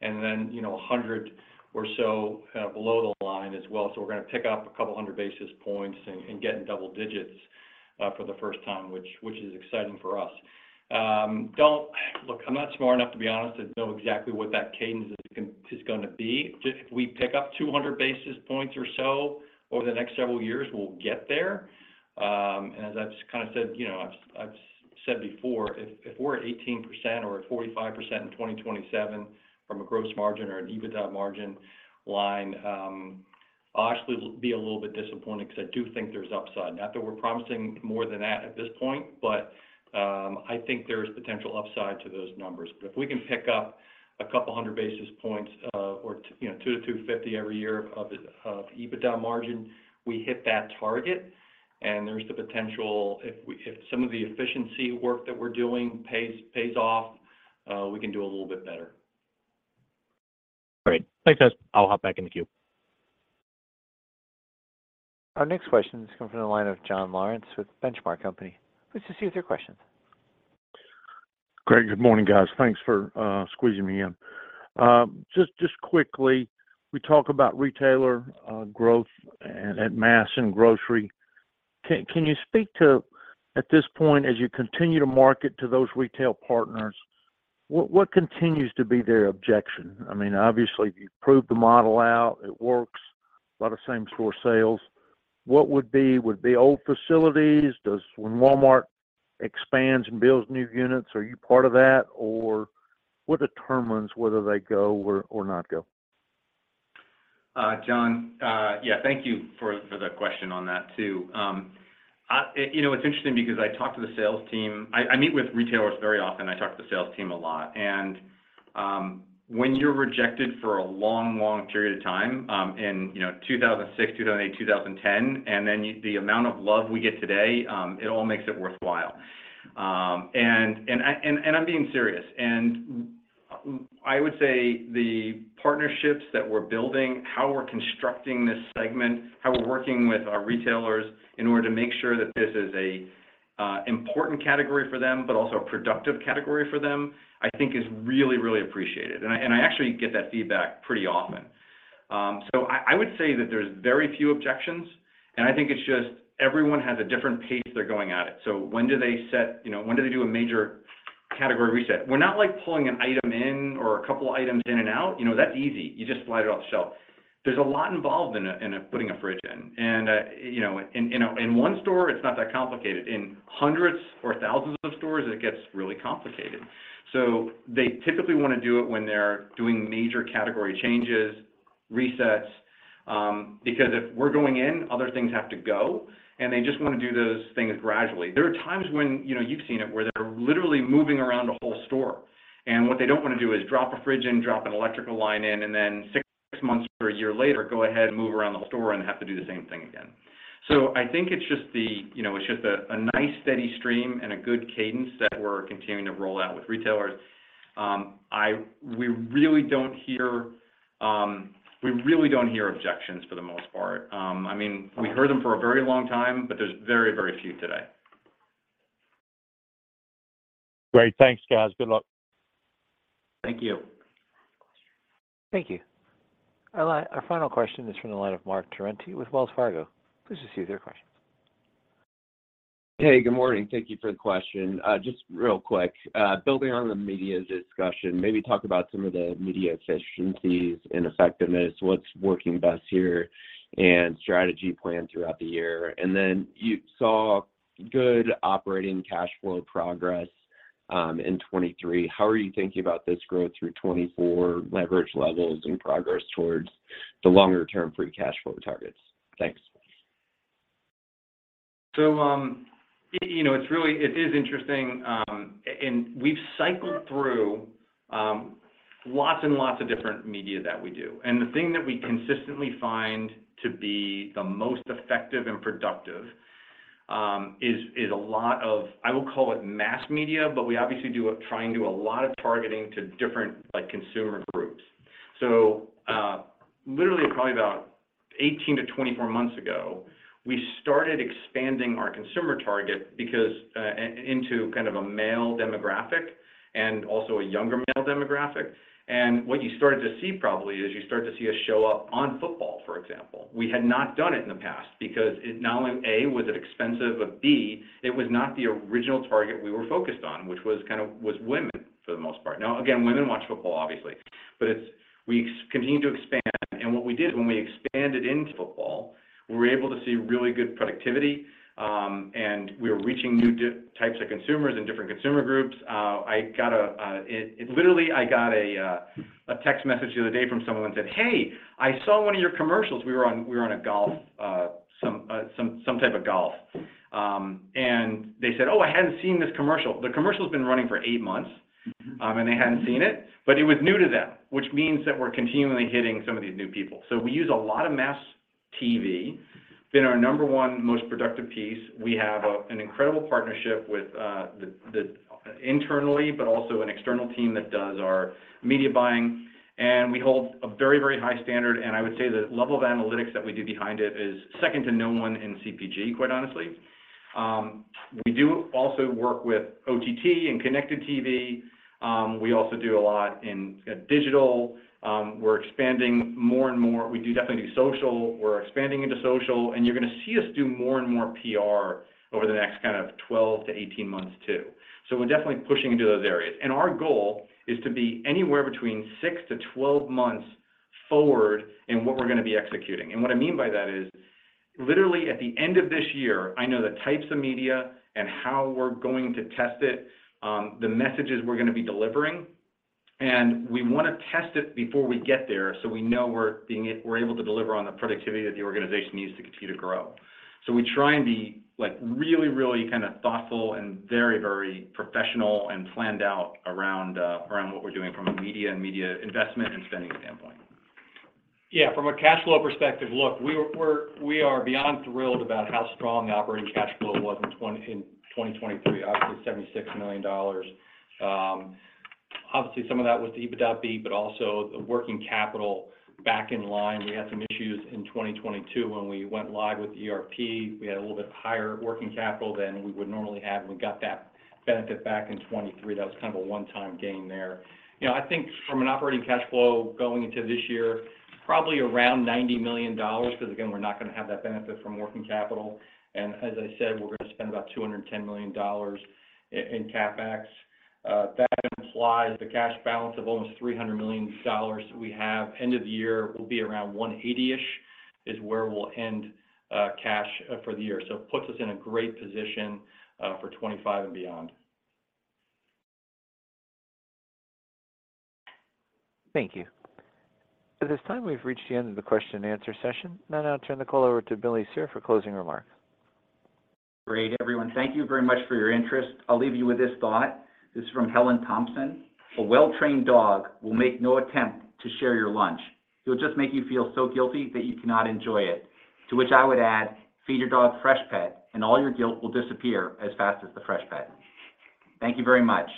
and then 100 or so below the line as well. So we're going to pick up a couple hundred basis points and get in double digits for the first time, which is exciting for us. Look, I'm not smart enough, to be honest, to know exactly what that cadence is going to be. If we pick up 200 basis points or so over the next several years, we'll get there. And as I've kind of said before, if we're at 18% or at 45% in 2027 from a gross margin or an EBITDA margin line, I'll actually be a little bit disappointed because I do think there's upside. Not that we're promising more than that at this point, but I think there's potential upside to those numbers. But if we can pick up a couple hundred basis points or 200-250 every year of EBITDA margin, we hit that target. And there's the potential, if some of the efficiency work that we're doing pays off, we can do a little bit better. Great. Thanks, guys. I'll hop back in the queue. Our next question is coming from the line of John Lawrence with Benchmark Company. Please proceed with your questions. Great. Good morning, guys. Thanks for squeezing me in. Just quickly, we talk about retailer growth at mass and grocery. Can you speak to, at this point, as you continue to market to those retail partners, what continues to be their objection? I mean, obviously, you've proved the model out. It works. A lot of same-store sales. What would be old facilities? When Walmart expands and builds new units, are you part of that? Or what determines whether they go or not go? John, yeah, thank you for the question on that too. It's interesting because I talk to the sales team, I meet with retailers very often. I talk to the sales team a lot. When you're rejected for a long, long period of time in 2006, 2008, 2010, and then the amount of love we get today, it all makes it worthwhile. I'm being serious. I would say the partnerships that we're building, how we're constructing this segment, how we're working with our retailers in order to make sure that this is an important category for them, but also a productive category for them, I think is really, really appreciated. I actually get that feedback pretty often. So I would say that there's very few objections. I think it's just everyone has a different pace they're going at it. So when do they do a major category reset? We're not pulling an item in or a couple of items in and out. That's easy. You just slide it off the shelf. There's a lot involved in putting a fridge in. And in one store, it's not that complicated. In hundreds or thousands of stores, it gets really complicated. So they typically want to do it when they're doing major category changes, resets, because if we're going in, other things have to go, and they just want to do those things gradually. There are times when you've seen it where they're literally moving around a whole store. What they don't want to do is drop a fridge in, drop an electrical line in, and then six months or a year later, go ahead and move around the store and have to do the same thing again. So I think it's just a nice, steady stream and a good cadence that we're continuing to roll out with retailers. We really don't hear objections for the most part. I mean, we heard them for a very long time, but there's very, very few today. Great. Thanks, guys. Good luck. Thank you. Thank you. Our final question is from the line of Marc Torrente with Wells Fargo. Please proceed with your questions. Hey, good morning. Thank you for the question. Just real quick, building on the media discussion, maybe talk about some of the media efficiencies and effectiveness, what's working best here, and strategy plan throughout the year. And then you saw good operating cash flow progress in 2023. How are you thinking about this growth through 2024, leverage levels, and progress towards the longer-term free cash flow targets? Thanks. So it is interesting. And we've cycled through lots and lots of different media that we do. And the thing that we consistently find to be the most effective and productive is a lot of I will call it mass media, but we obviously do try and do a lot of targeting to different consumer groups. So literally, probably about 18-24 months ago, we started expanding our consumer target into kind of a male demographic and also a younger male demographic. And what you started to see probably is you start to see us show up on football, for example. We had not done it in the past because not only, A, was it expensive, but, B, it was not the original target we were focused on, which was women for the most part. Now, again, women watch football, obviously. But we continue to expand. And what we did is when we expanded into football, we were able to see really good productivity, and we were reaching new types of consumers and different consumer groups. Literally, I got a text message the other day from someone that said, "Hey, I saw one of your commercials. We were on a golf, some type of golf." And they said, "Oh, I hadn't seen this commercial." The commercial's been running for eight months, and they hadn't seen it. But it was new to them, which means that we're continually hitting some of these new people. So we use a lot of mass TV. It's been our number one most productive piece. We have an incredible partnership internally, but also an external team that does our media buying. And we hold a very, very high standard. I would say the level of analytics that we do behind it is second to no one in CPG, quite honestly. We do also work with OTT and connected TV. We also do a lot in digital. We're expanding more and more. We definitely do social. We're expanding into social. You're going to see us do more and more PR over the next kind of 12-18 months too. We're definitely pushing into those areas. Our goal is to be anywhere between 6-12 months forward in what we're going to be executing. What I mean by that is, literally, at the end of this year, I know the types of media and how we're going to test it, the messages we're going to be delivering. We want to test it before we get there so we know we're able to deliver on the productivity that the organization needs to continue to grow. We try and be really, really kind of thoughtful and very, very professional and planned out around what we're doing from a media and media investment and spending standpoint. Yeah. From a cash flow perspective, look, we are beyond thrilled about how strong the operating cash flow was in 2023, obviously $76 million. Obviously, some of that was the EBITDA beat, but also the working capital back in line. We had some issues in 2022 when we went live with the ERP. We had a little bit higher working capital than we would normally have. And we got that benefit back in 2023. That was kind of a one-time gain there. I think from an operating cash flow going into this year, probably around $90 million because, again, we're not going to have that benefit from working capital. As I said, we're going to spend about $210 million in CapEx. That implies the cash balance of almost $300 million that we have end of the year will be around 180-ish is where we'll end cash for the year. So it puts us in a great position for 2025 and beyond. Thank you. At this time, we've reached the end of the question-and-answer session. Now, I'll turn the call over to Billy Cyr for closing remarks. Great, everyone. Thank you very much for your interest. I'll leave you with this thought. This is from Helen Thomson. "A well-trained dog will make no attempt to share your lunch. He'll just make you feel so guilty that you cannot enjoy it," to which I would add, "Feed your dog Freshpet, and all your guilt will disappear as fast as the Freshpet." Thank you very much.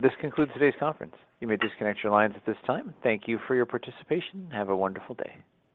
This concludes today's conference. You may disconnect your lines at this time. Thank you for your participation. Have a wonderful day.